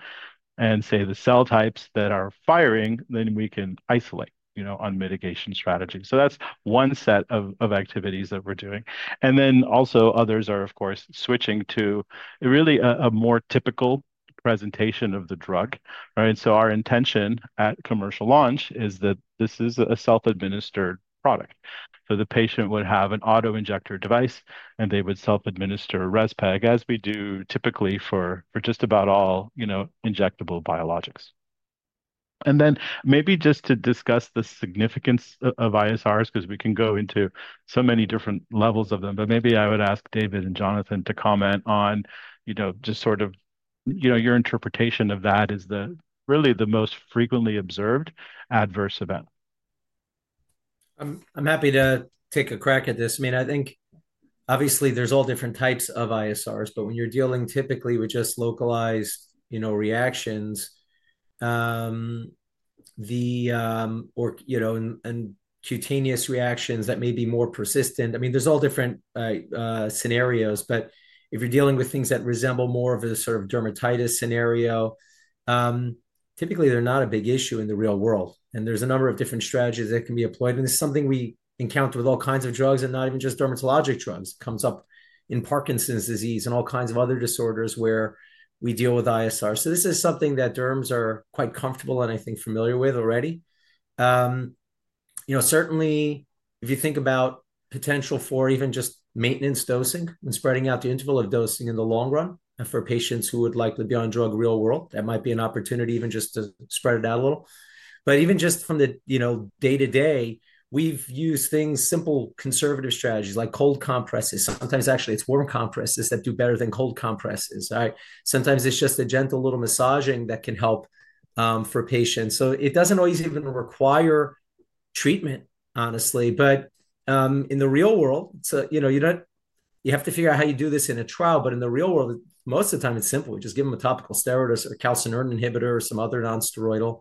[SPEAKER 4] and, say, the cell types that are firing, then we can isolate, you know, on mitigation strategy. That's one set of activities that we're doing. Others are, of course, switching to really a more typical presentation of the drug, right? Our intention at commercial launch is that this is a self-administered product. The patient would have an auto injector device and they would self-administer REZPEG as we do typically for just about all, you know, injectable biologics. Maybe just to discuss the significance of ISRs because we can go into so many different levels of them, but maybe I would ask David and Jonathan to comment on, you know, just sort of, you know, your interpretation of that as really the most frequently observed adverse event.
[SPEAKER 5] I'm happy to take a crack at this. I mean, I think obviously there's all different types of ISRs, but when you're dealing typically with just localized, you know, reactions, you know, and cutaneous reactions that may be more persistent. I mean, there's all different scenarios, but if you're dealing with things that resemble more of a sort of dermatitis scenario, typically they're not a big issue in the real world. There's a number of different strategies that can be employed. It's something we encounter with all kinds of drugs and not even just dermatologic drugs. It comes up in Parkinson's disease and all kinds of other disorders where we deal with ISR. This is something that derms are quite comfortable and I think familiar with already. You know, certainly if you think about potential for even just maintenance dosing and spreading out the interval of dosing in the long run for patients who would like to be on drug real world, that might be an opportunity even just to spread it out a little. Even just from the, you know, day-to-day, we've used things, simple conservative strategies like cold compresses. Sometimes actually it's warm compresses that do better than cold compresses, right? Sometimes it's just a gentle little massaging that can help for patients. It doesn't always even require treatment, honestly. In the real world, you know, you have to figure out how you do this in a trial, but in the real world, most of the time it's simple. We just give them a topical steroid or a calcineurin inhibitor or some other non-steroidal.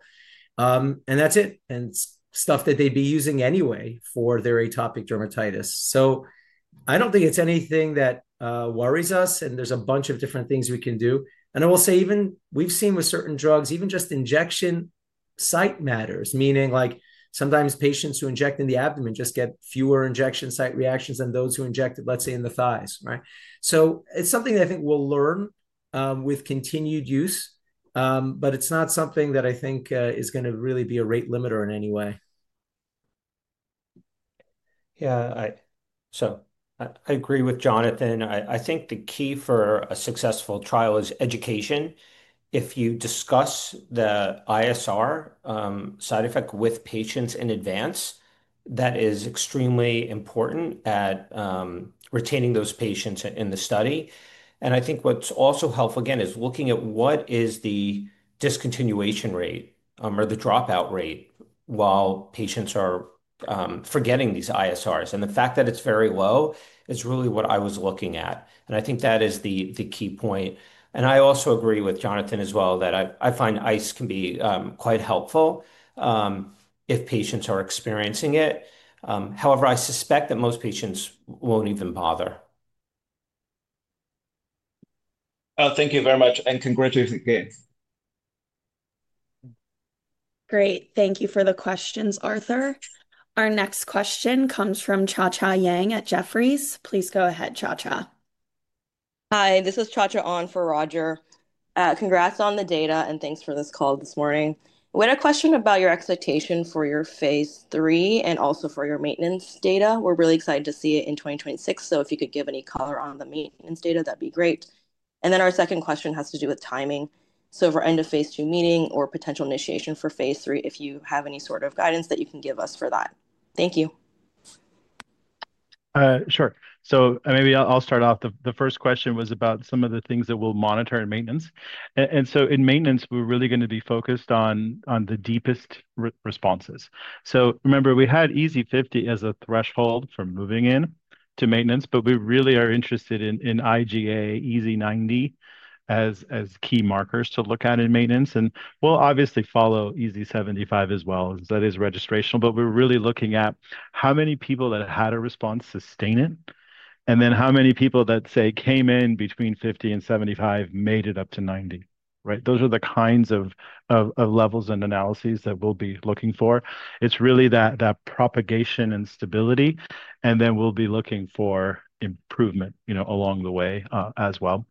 [SPEAKER 5] That's it. It's stuff that they'd be using anyway for their atopic dermatitis. I don't think it's anything that worries us. There's a bunch of different things we can do. I will say even we've seen with certain drugs, even just injection site matters, meaning sometimes patients who inject in the abdomen just get fewer injection site reactions than those who inject, let's say, in the thighs, right? It's something that I think we'll learn with continued use, but it's not something that I think is going to really be a rate limiter in any way.
[SPEAKER 6] Yeah, I agree with Jonathan. I think the key for a successful trial is education. If you discuss the ISR side effect with patients in advance, that is extremely important at retaining those patients in the study. I think what's also helpful, again, is looking at what is the discontinuation rate or the dropout rate while patients are forgetting these ISRs. The fact that it's very low is really what I was looking at. I think that is the key point. I also agree with Jonathan as well that I find ice can be quite helpful if patients are experiencing it. However, I suspect that most patients won't even bother.
[SPEAKER 8] Thank you very much and congratulations again.
[SPEAKER 1] Great. Thank you for the questions, Arthur. Our next question comes from Cha Cha Yang at Jefferies. Please go ahead, Cha Cha.
[SPEAKER 9] Hi, this is Cha Cha on for Roger. Congrats on the data and thanks for this call this morning. We had a question about your expectation for your phase three and also for your maintenance data. We're really excited to see it in 2026. If you could give any color on the maintenance data, that'd be great. Our second question has to do with timing. For end of phase two meeting or potential initiation for phase three, if you have any sort of guidance that you can give us for that. Thank you.
[SPEAKER 4] Sure. Maybe I'll start off. The first question was about some of the things that we'll monitor in maintenance. In maintenance, we're really going to be focused on the deepest responses. Remember, we had EASI 50 as a threshold for moving into maintenance, but we really are interested in IGA, EASI 90 as key markers to look at in maintenance. We will obviously follow EASI 75 as well as that is registrational, but we are really looking at how many people that had a response sustain it and then how many people that, say, came in between 50 and 75 made it up to 90, right? Those are the kinds of levels and analyses that we will be looking for. It is really that propagation and stability. We will be looking for improvement, you know, along the way as well.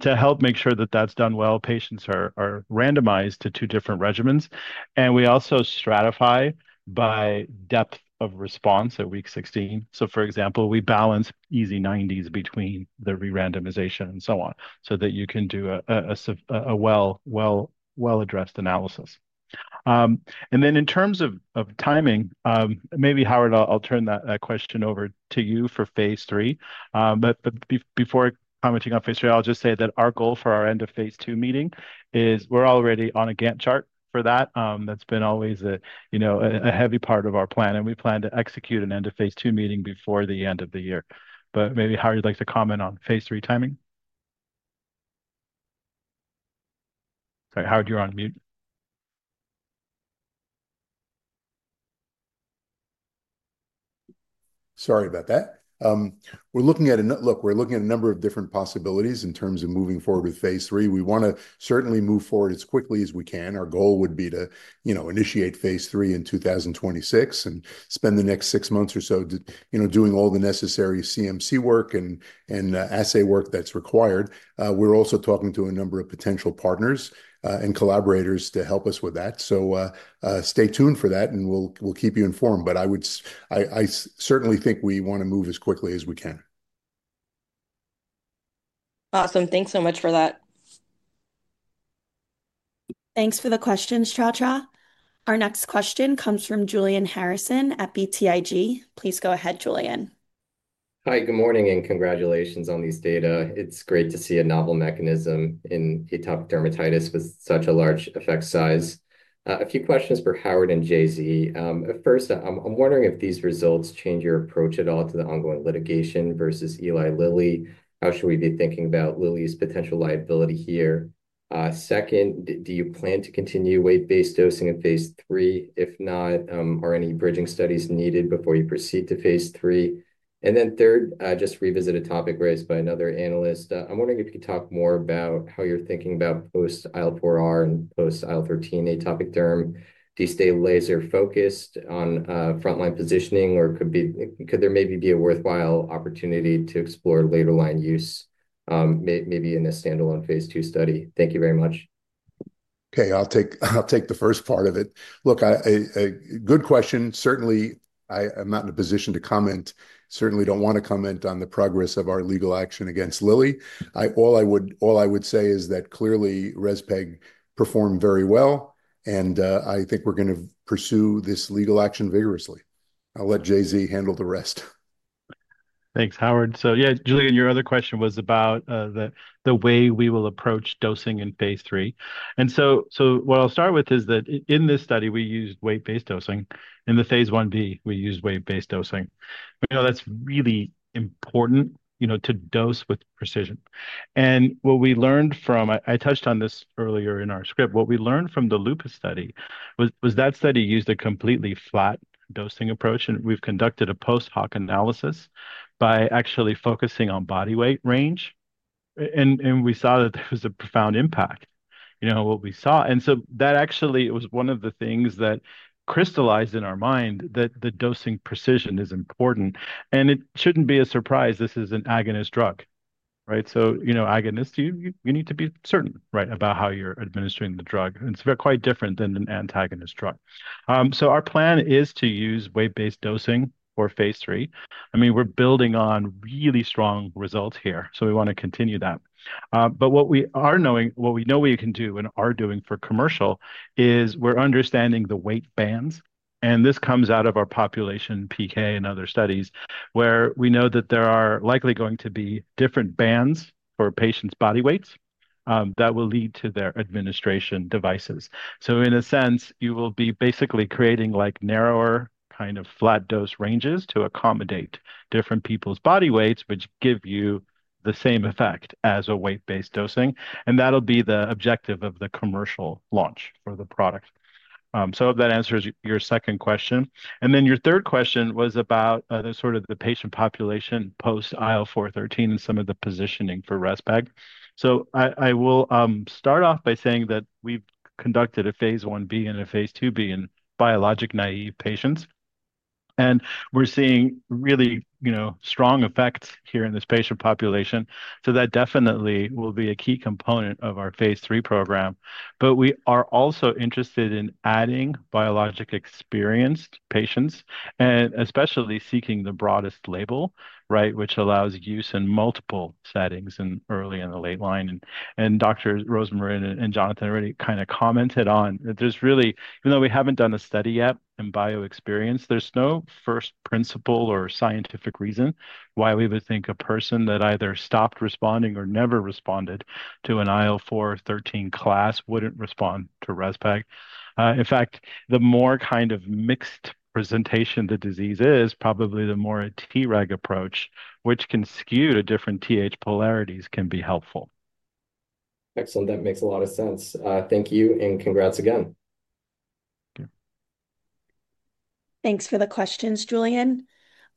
[SPEAKER 4] To help make sure that is done well, patients are randomized to two different regimens. We also stratify by depth of response at week 16. For example, we balance EASI 90s between the re-randomization and so on so that you can do a well-addressed analysis. In terms of timing, maybe, Howard, I will turn that question over to you for phase three. Before commenting on phase three, I'll just say that our goal for our end of phase two meeting is we're already on a Gantt chart for that. That's been always a, you know, a heavy part of our plan. We plan to execute an end of phase two meeting before the end of the year. Maybe, Howard, you'd like to comment on phase three timing? Sorry, Howard, you're on mute.
[SPEAKER 3] Sorry about that. We're looking at a, look, we're looking at a number of different possibilities in terms of moving forward with phase three. We want to certainly move forward as quickly as we can. Our goal would be to, you know, initiate phase three in 2026 and spend the next six months or so, you know, doing all the necessary CMC work and assay work that's required. We're also talking to a number of potential partners and collaborators to help us with that. Stay tuned for that and we'll keep you informed. I certainly think we want to move as quickly as we can.
[SPEAKER 9] Awesome. Thanks so much for that.
[SPEAKER 1] Thanks for the questions, Cha Cha. Our next question comes from Julian Harrison at BTIG. Please go ahead, Julian.
[SPEAKER 10] Hi, good morning and congratulations on these data. It's great to see a novel mechanism in atopic dermatitis with such a large effect size. A few questions for Howard and Jay-Z. First, I'm wondering if these results change your approach at all to the ongoing litigation versus Eli Lilly. How should we be thinking about Lilly's potential liability here? Second, do you plan to continue weight-based dosing in phase three? If not, are any bridging studies needed before you proceed to phase three? Then third, just revisit a topic raised by another analyst. I'm wondering if you could talk more about how you're thinking about post-IL4R and post-IL13 atopic derm. Do you stay laser-focused on frontline positioning or could there maybe be a worthwhile opportunity to explore later line use maybe in a standalone phase two study? Thank you very much.
[SPEAKER 3] Okay, I'll take the first part of it. Look, a good question. Certainly, I'm not in a position to comment. Certainly don't want to comment on the progress of our legal action against Lilly. All I would say is that clearly REZPEG performed very well. I think we're going to pursue this legal action vigorously. I'll let Jay-Z handle the rest.
[SPEAKER 4] Thanks, Howard. Yeah, Julian, your other question was about the way we will approach dosing in phase three. What I'll start with is that in this study, we used weight-based dosing. In the phase one B, we used weight-based dosing. You know, that's really important, you know, to dose with precision. What we learned from, I touched on this earlier in our script, what we learned from the lupus study was that study used a completely flat dosing approach. We conducted a post-hoc analysis by actually focusing on body weight range. We saw that there was a profound impact, you know, what we saw. That actually was one of the things that crystallized in our mind that the dosing precision is important. It shouldn't be a surprise. This is an agonist drug, right? So, you know, agonist, you need to be certain, right, about how you're administering the drug. It's quite different than an antagonist drug. Our plan is to use weight-based dosing for phase three. I mean, we're building on really strong results here. We want to continue that. What we know we can do and are doing for commercial is we're understanding the weight bands. This comes out of our population PK and other studies where we know that there are likely going to be different bands for patients' body weights that will lead to their administration devices. In a sense, you will be basically creating narrower kind of flat dose ranges to accommodate different people's body weights, which give you the same effect as a weight-based dosing. That will be the objective of the commercial launch for the product. That answers your second question. Your third question was about the sort of the patient population post-IL413 and some of the positioning for REZPEG. I will start off by saying that we've conducted a phase I B and a phase II B in biologic naive patients. We're seeing really, you know, strong effects here in this patient population. That definitely will be a key component of our phase III program. We are also interested in adding biologic experienced patients and especially seeking the broadest label, right, which allows use in multiple settings in early and the late line. Dr. Rosemarie and Jonathan already kind of commented on that there's really, even though we haven't done a study yet in bio experience, there's no first principle or scientific reason why we would think a person that either stopped responding or never responded to an IL-4/13 class wouldn't respond to REZPEG. In fact, the more kind of mixed presentation the disease is, probably the more a Treg approach, which can skew to different TH polarities, can be helpful.
[SPEAKER 10] Excellent. That makes a lot of sense. Thank you and congrats again.
[SPEAKER 1] Thanks for the questions, Julian.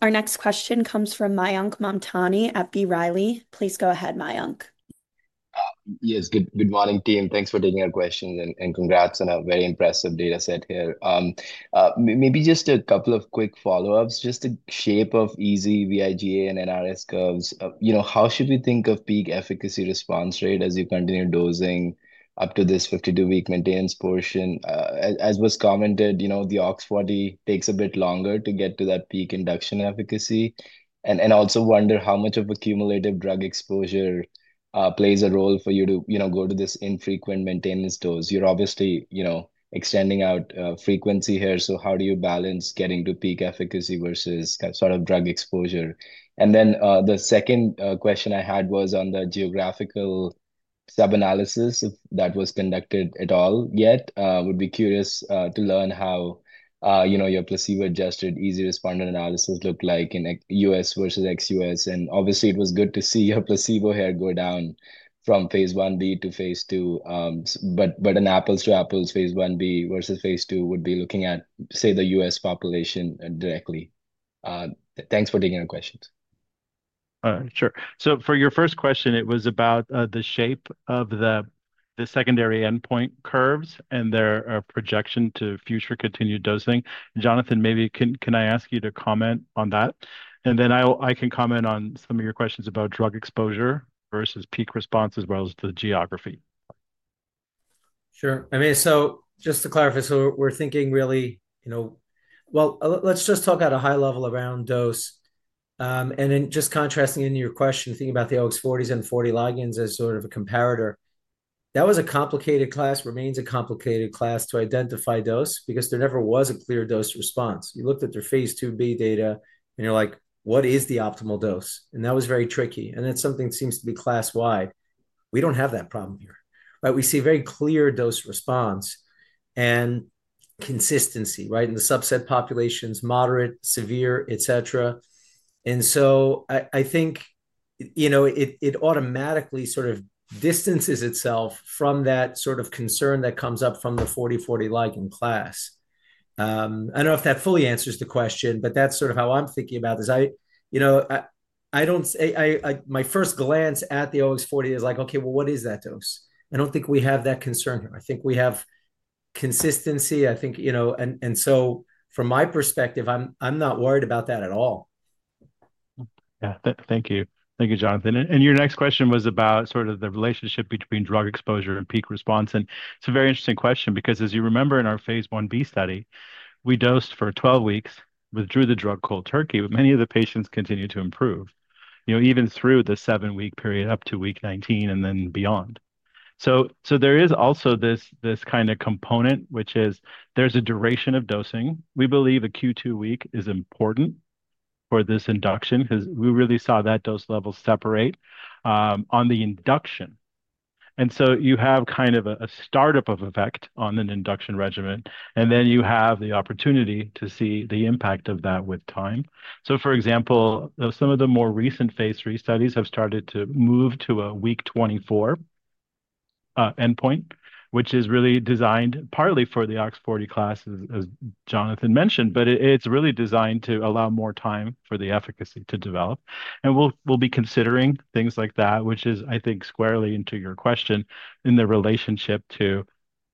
[SPEAKER 1] Our next question comes from Mayank Mamtani at B. Riley. Please go ahead, Mayank.
[SPEAKER 11] Yes, good morning, team. Thanks for taking our questions and congrats on a very impressive data set here. Maybe just a couple of quick follow-ups, just the shape of EASI, vIGA, and NRS curves. You know, how should we think of peak efficacy response rate as you continue dosing up to this 52-week maintenance portion? As was commented, you know, the OX40 takes a bit longer to get to that peak induction efficacy. I also wonder how much of accumulative drug exposure plays a role for you to, you know, go to this infrequent maintenance dose. You're obviously, you know, extending out frequency here. How do you balance getting to peak efficacy versus sort of drug exposure? The second question I had was on the geographical sub-analysis if that was conducted at all yet. I would be curious to learn how, you know, your placebo-adjusted EASI responder analysis looked like in US versus ex-US. Obviously, it was good to see your placebo here go down from phase I B to phase II. An apples-to-apples phase I B versus phase II would be looking at, say, the U.S. population directly. Thanks for taking our questions.
[SPEAKER 4] Sure. For your first question, it was about the shape of the secondary endpoint curves and their projection to future continued dosing. Jonathan, maybe can I ask you to comment on that? Then I can comment on some of your questions about drug exposure versus peak response as well as the geography.
[SPEAKER 5] Sure. I mean, just to clarify, we're thinking really, you know, let's just talk at a high level around dose. Just contrasting in your question, thinking about the OX40s and 40 ligands as sort of a comparator, that was a complicated class, remains a complicated class to identify dose because there never was a clear dose response. You looked at their phase IIb data and you're like, what is the optimal dose? And that was very tricky. And that's something that seems to be class-wide. We don't have that problem here, right? We see very clear dose response and consistency, right? In the subset populations, moderate, severe, et cetera. And so I think, you know, it automatically sort of distances itself from that sort of concern that comes up from the OX40 ligand class. I don't know if that fully answers the question, but that's sort of how I'm thinking about this. I, you know, I don't, my first glance at the OX40 is like, okay, well, what is that dose? I don't think we have that concern here. I think we have consistency. I think, you know, and so from my perspective, I'm not worried about that at all.
[SPEAKER 4] Yeah, thank you. Thank you, Jonathan. Your next question was about sort of the relationship between drug exposure and peak response. It is a very interesting question because as you remember in our phase I B study, we dosed for 12 weeks, withdrew the drug cold turkey, but many of the patients continued to improve, you know, even through the seven-week period up to week 19 and then beyond. There is also this kind of component, which is there is a duration of dosing. We believe a Q2 week is important for this induction because we really saw that dose level separate on the induction. You have kind of a startup of effect on an induction regimen. You have the opportunity to see the impact of that with time. For example, some of the more recent phase three studies have started to move to a week 24 endpoint, which is really designed partly for the OX40 class, as Jonathan mentioned, but it's really designed to allow more time for the efficacy to develop. We'll be considering things like that, which is, I think, squarely into your question in the relationship to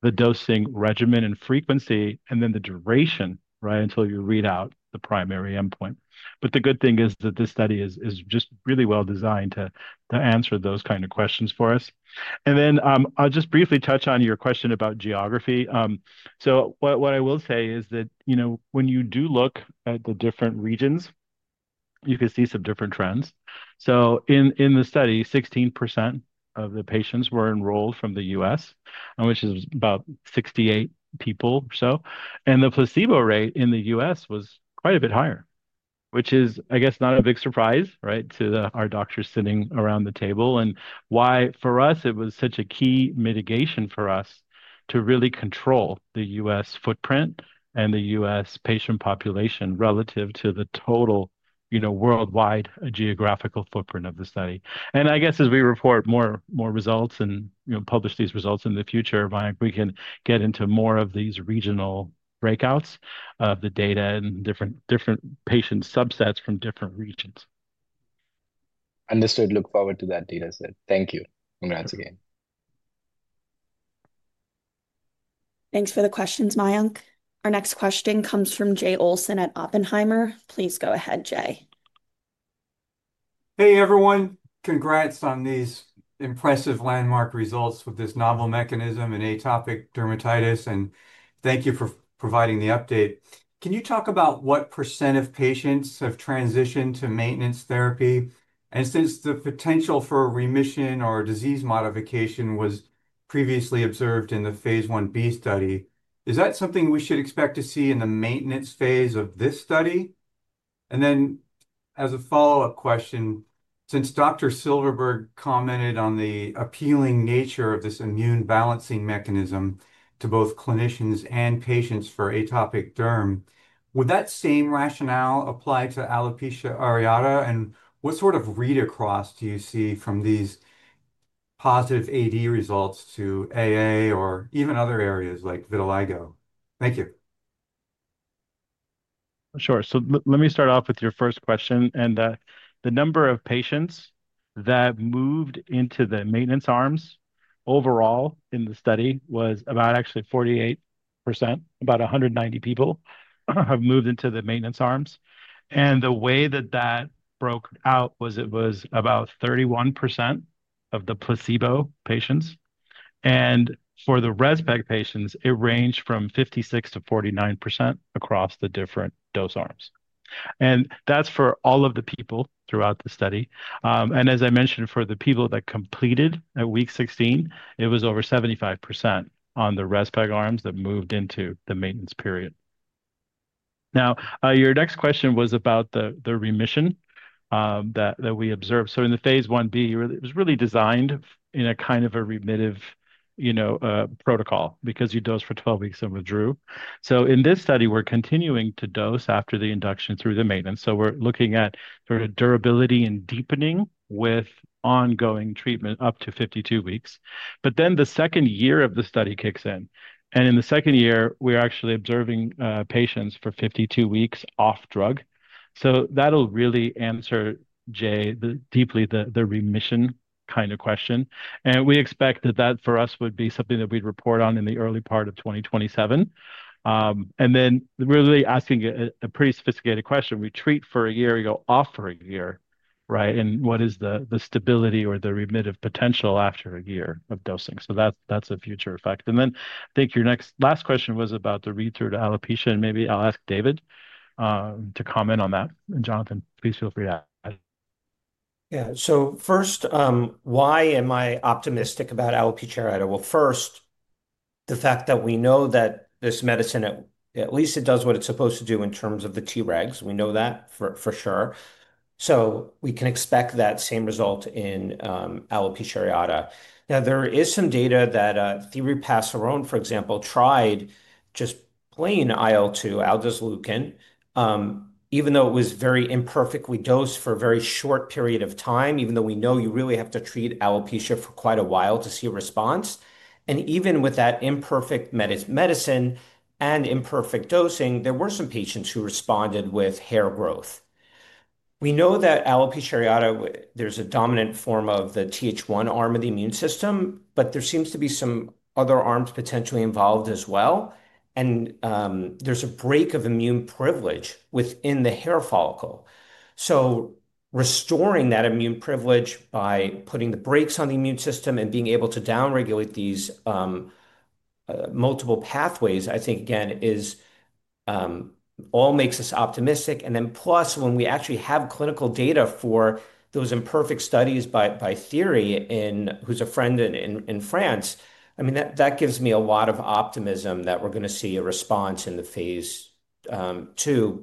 [SPEAKER 4] the dosing regimen and frequency and then the duration, right, until you read out the primary endpoint. The good thing is that this study is just really well designed to answer those kinds of questions for us. I'll just briefly touch on your question about geography. What I will say is that, you know, when you do look at the different regions, you can see some different trends. In the study, 16% of the patients were enrolled from the U.S., which is about 68 people or so. The placebo rate in the U.S. was quite a bit higher, which is, I guess, not a big surprise, right, to our doctors sitting around the table. That is why for us, it was such a key mitigation for us to really control the U.S. footprint and the U.S. patient population relative to the total, you know, worldwide geographical footprint of the study. I guess as we report more results and, you know, publish these results in the future, we can get into more of these regional breakouts of the data and different patient subsets from different regions.
[SPEAKER 11] Understood. Look forward to that data set. Thank you. Congrats again.
[SPEAKER 1] Thanks for the questions, Mayank. Our next question comes from Jay Olson at Oppenheimer. Please go ahead, Jay.
[SPEAKER 12] Hey, everyone. Congrats on these impressive landmark results with this novel mechanism in atopic dermatitis. Thank you for providing the update. Can you talk about what % of patients have transitioned to maintenance therapy? Since the potential for remission or disease modification was previously observed in the phase I B study, is that something we should expect to see in the maintenance phase of this study? As a follow-up question, since Dr. Silverberg commented on the appealing nature of this immune balancing mechanism to both clinicians and patients for atopic derm, would that same rationale apply to alopecia areata? What sort of read across do you see from these positive AD results to AA or even other areas like vitiligo? Thank you.
[SPEAKER 4] Sure. Let me start off with your first question. The number of patients that moved into the maintenance arms overall in the study was about actually 48%, about 190 people have moved into the maintenance arms. The way that that broke out was it was about 31% of the placebo patients. For the REZPEG patients, it ranged from 56%-49% across the different dose arms. That is for all of the people throughout the study. As I mentioned, for the people that completed at week 16, it was over 75% on the REZPEG arms that moved into the maintenance period. Your next question was about the remission that we observed. In the phase I B, it was really designed in a kind of a remissive, you know, protocol because you dose for 12 weeks and withdrew. In this study, we are continuing to dose after the induction through the maintenance. We're looking at sort of durability and deepening with ongoing treatment up to 52 weeks. The second year of the study kicks in. In the second year, we're actually observing patients for 52 weeks off drug. That'll really answer, Jay, deeply the remission kind of question. We expect that that for us would be something that we'd report on in the early part of 2027. We're really asking a pretty sophisticated question. We treat for a year, we go off for a year, right? What is the stability or the remissive potential after a year of dosing? That's a future effect. I think your next last question was about the read-through to alopecia. Maybe I'll ask David to comment on that. Jonathan, please feel free to ask.
[SPEAKER 5] Yeah. First, why am I optimistic about alopecia areata? First, the fact that we know that this medicine, at least it does what it's supposed to do in terms of the Tregs. We know that for sure. We can expect that same result in alopecia areata. There is some data that theory passed around, for example, tried just plain IL-2, aldosulacan, even though it was very imperfectly dosed for a very short period of time, even though we know you really have to treat alopecia for quite a while to see a response. Even with that imperfect medicine and imperfect dosing, there were some patients who responded with hair growth. We know that alopecia areata, there's a dominant form of the TH1 arm of the immune system, but there seems to be some other arms potentially involved as well. There is a break of immune privilege within the hair follicle. Restoring that immune privilege by putting the brakes on the immune system and being able to downregulate these multiple pathways, I think again, all makes us optimistic. Plus, when we actually have clinical data for those imperfect studies by Thierry, who's a friend in France, I mean, that gives me a lot of optimism that we're going to see a response in the phase II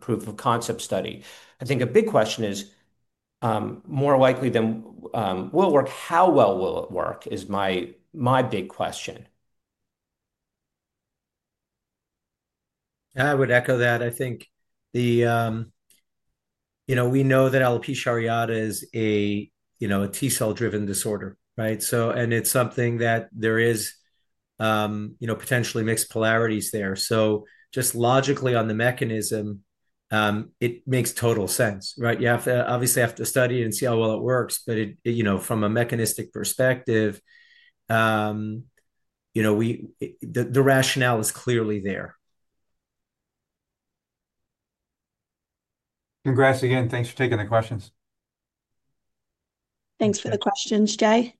[SPEAKER 5] proof of concept study. I think a big question is, more likely than will it work, how well will it work is my big question.
[SPEAKER 6] I would echo that. I think the, you know, we know that alopecia areata is a, you know, a T-cell driven disorder, right? So, and it's something that there is, you know, potentially mixed polarities there. Just logically on the mechanism, it makes total sense, right? You have to obviously have to study and see how well it works, but it, you know, from a mechanistic perspective, you know, the rationale is clearly there.
[SPEAKER 12] Congrats again. Thanks for taking the questions.
[SPEAKER 1] Thanks for the questions, Jay.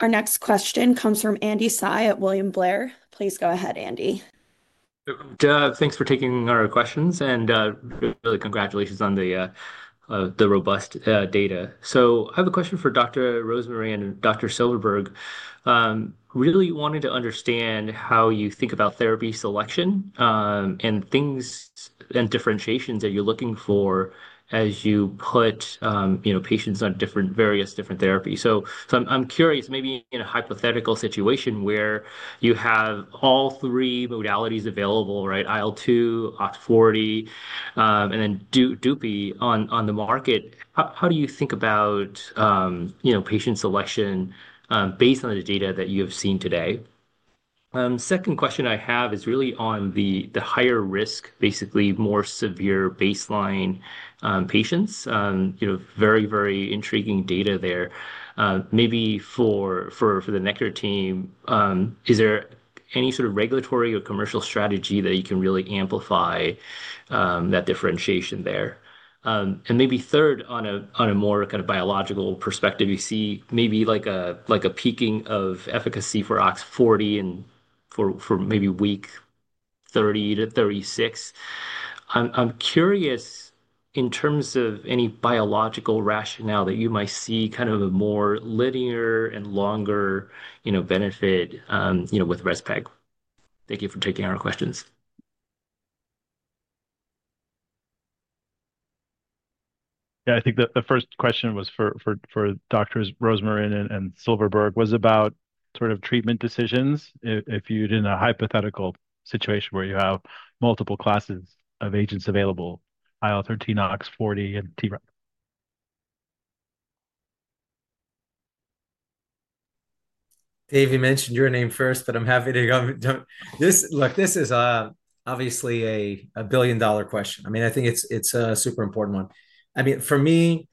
[SPEAKER 1] Our next question comes from Andy Hseih at William Blair. Please go ahead, Andy.
[SPEAKER 13] Thanks for taking our questions and really congratulations on the robust data. I have a question for Dr. Rosmarin and Dr. Silverberg. Really wanting to understand how you think about therapy selection and things and differentiations that you're looking for as you put, you know, patients on different, various different therapies. I'm curious, maybe in a hypothetical situation where you have all three modalities available, right? IL-2, OX40, and then Dupi on the market. How do you think about, you know, patient selection based on the data that you have seen today? Second question I have is really on the higher risk, basically more severe baseline patients, you know, very, very intriguing data there. Maybe for the Nektar team, is there any sort of regulatory or commercial strategy that you can really amplify that differentiation there? Maybe third, on a more kind of biological perspective, you see maybe like a peaking of efficacy for OX40 and for maybe week 30-36. I'm curious in terms of any biological rationale that you might see kind of a more linear and longer, you know, benefit, you know, with REZPEG. Thank you for taking our questions.
[SPEAKER 4] Yeah, I think the first question was for Dr. Rosmarin and Silverberg was about sort of treatment decisions if you're in a hypothetical situation where you have multiple classes of agents available, IL-13, OX40, and Treg.
[SPEAKER 5] Dave, you mentioned your name first, but I'm happy to go. Look, this is obviously a billion-dollar question. I mean, I think it's a super important one. I mean, for me,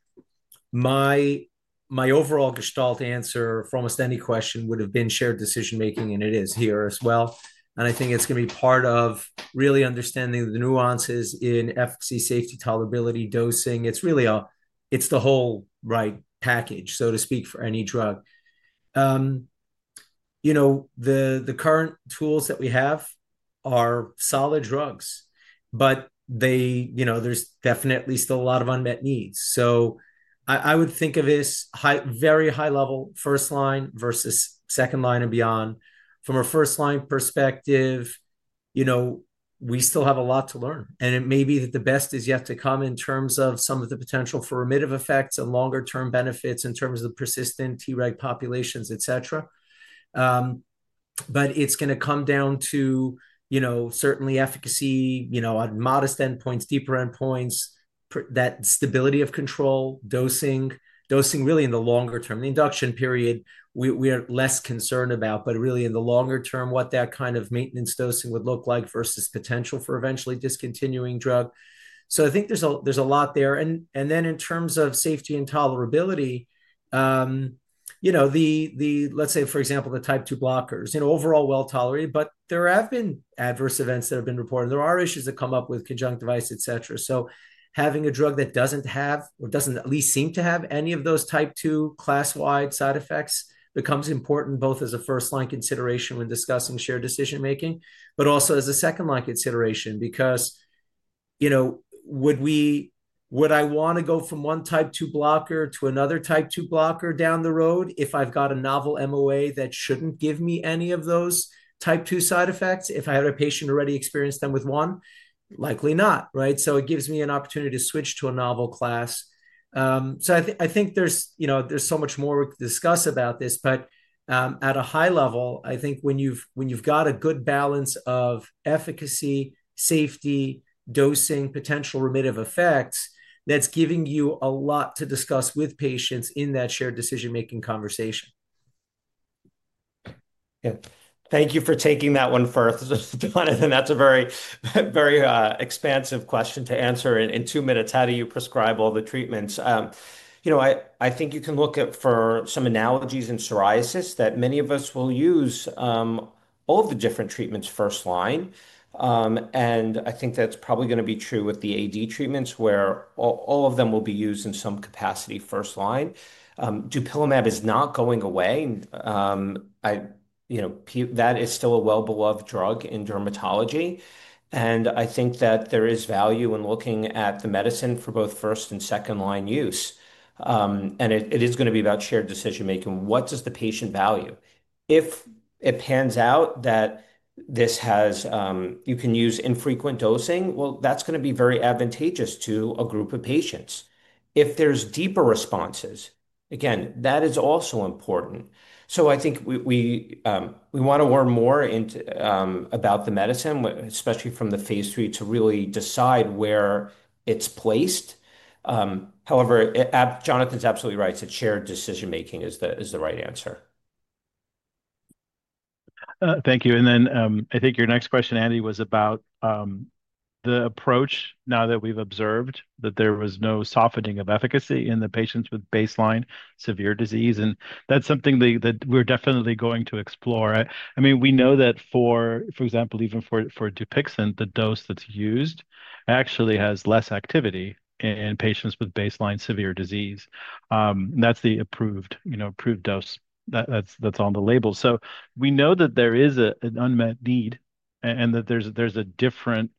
[SPEAKER 5] my overall gestalt answer for almost any question would have been shared decision-making, and it is here as well. I think it's going to be part of really understanding the nuances in efficacy, safety, tolerability, dosing. It's really a, it's the whole right package, so to speak, for any drug. You know, the current tools that we have are solid drugs, but they, you know, there's definitely still a lot of unmet needs. I would think of this very high-level first line versus second line and beyond. From a first-line perspective, you know, we still have a lot to learn. It may be that the best is yet to come in terms of some of the potential for remissive effects and longer-term benefits in terms of the persistent Treg populations, et cetera. It is going to come down to, you know, certainly efficacy, you know, at modest endpoints, deeper endpoints, that stability of control, dosing, dosing really in the longer term. The induction period, we are less concerned about, but really in the longer term, what that kind of maintenance dosing would look like versus potential for eventually discontinuing drug. I think there is a lot there. In terms of safety and tolerability, you know, let's say, for example, the type two blockers, you know, overall well tolerated, but there have been adverse events that have been reported. There are issues that come up with conjunctivitis, et cetera. Having a drug that doesn't have or doesn't at least seem to have any of those type two class-wide side effects becomes important both as a first-line consideration when discussing shared decision-making, but also as a second-line consideration because, you know, would I want to go from one type two blocker to another type two blocker down the road if I've got a novel MOA that shouldn't give me any of those type two side effects? If I had a patient already experience them with one, likely not, right? It gives me an opportunity to switch to a novel class. I think there's, you know, there's so much more to discuss about this, but at a high level, I think when you've got a good balance of efficacy, safety, dosing, potential remissive effects, that's giving you a lot to discuss with patients in that shared decision-making conversation.
[SPEAKER 6] Yeah. Thank you for taking that one first, Jonathan. That's a very, very expansive question to answer. In two minutes, how do you prescribe all the treatments? You know, I think you can look at for some analogies in psoriasis that many of us will use all of the different treatments first line. I think that's probably going to be true with the AD treatments where all of them will be used in some capacity first line. Dupilumab is not going away. You know, that is still a well-beloved drug in dermatology. I think that there is value in looking at the medicine for both first and second-line use. It is going to be about shared decision-making. What does the patient value? If it pans out that this has, you can use infrequent dosing, well, that's going to be very advantageous to a group of patients. If there's deeper responses, again, that is also important. I think we want to learn more about the medicine, especially from the phase three to really decide where it's placed. However, Jonathan's absolutely right. It's shared decision-making is the right answer.
[SPEAKER 4] Thank you. I think your next question, Andy, was about the approach now that we've observed that there was no softening of efficacy in the patients with baseline severe disease. That's something that we're definitely going to explore. I mean, we know that, for example, even for Dupixent, the dose that's used actually has less activity in patients with baseline severe disease. That's the approved, you know, approved dose that's on the label. We know that there is an unmet need and that there's a different,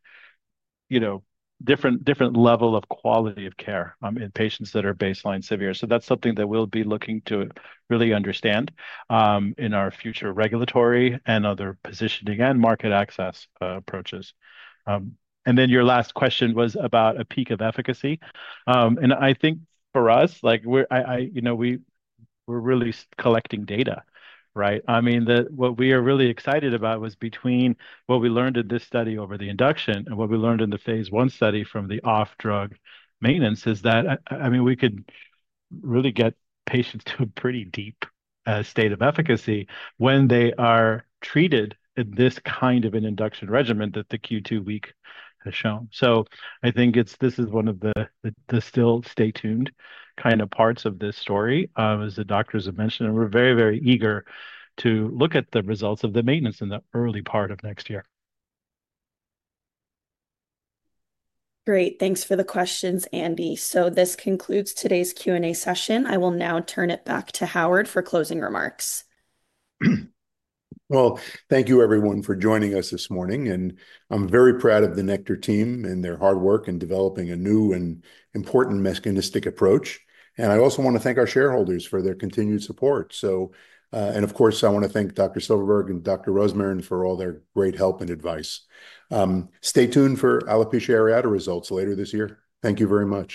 [SPEAKER 4] you know, different level of quality of care in patients that are baseline severe. That is something that we will be looking to really understand in our future regulatory and other positioning and market access approaches. Your last question was about a peak of efficacy. I think for us, like, you know, we are really collecting data, right? I mean, what we are really excited about was between what we learned in this study over the induction and what we learned in the phase one study from the off drug maintenance is that, I mean, we could really get patients to a pretty deep state of efficacy when they are treated in this kind of an induction regimen that the Q2 week has shown. I think this is one of the still stay tuned kind of parts of this story, as the doctors have mentioned. We are very, very eager to look at the results of the maintenance in the early part of next year.
[SPEAKER 1] Great. Thanks for the questions, Andy. This concludes today's Q&A session. I will now turn it back to Howard for closing remarks.
[SPEAKER 3] Thank you, everyone, for joining us this morning. I am very proud of the Nektar team and their hard work in developing a new and important mechanistic approach. I also want to thank our shareholders for their continued support. Of course, I want to thank Dr. Silverberg and Dr. Rosmarin for all their great help and advice. Stay tuned for alopecia areata results later this year. Thank you very much.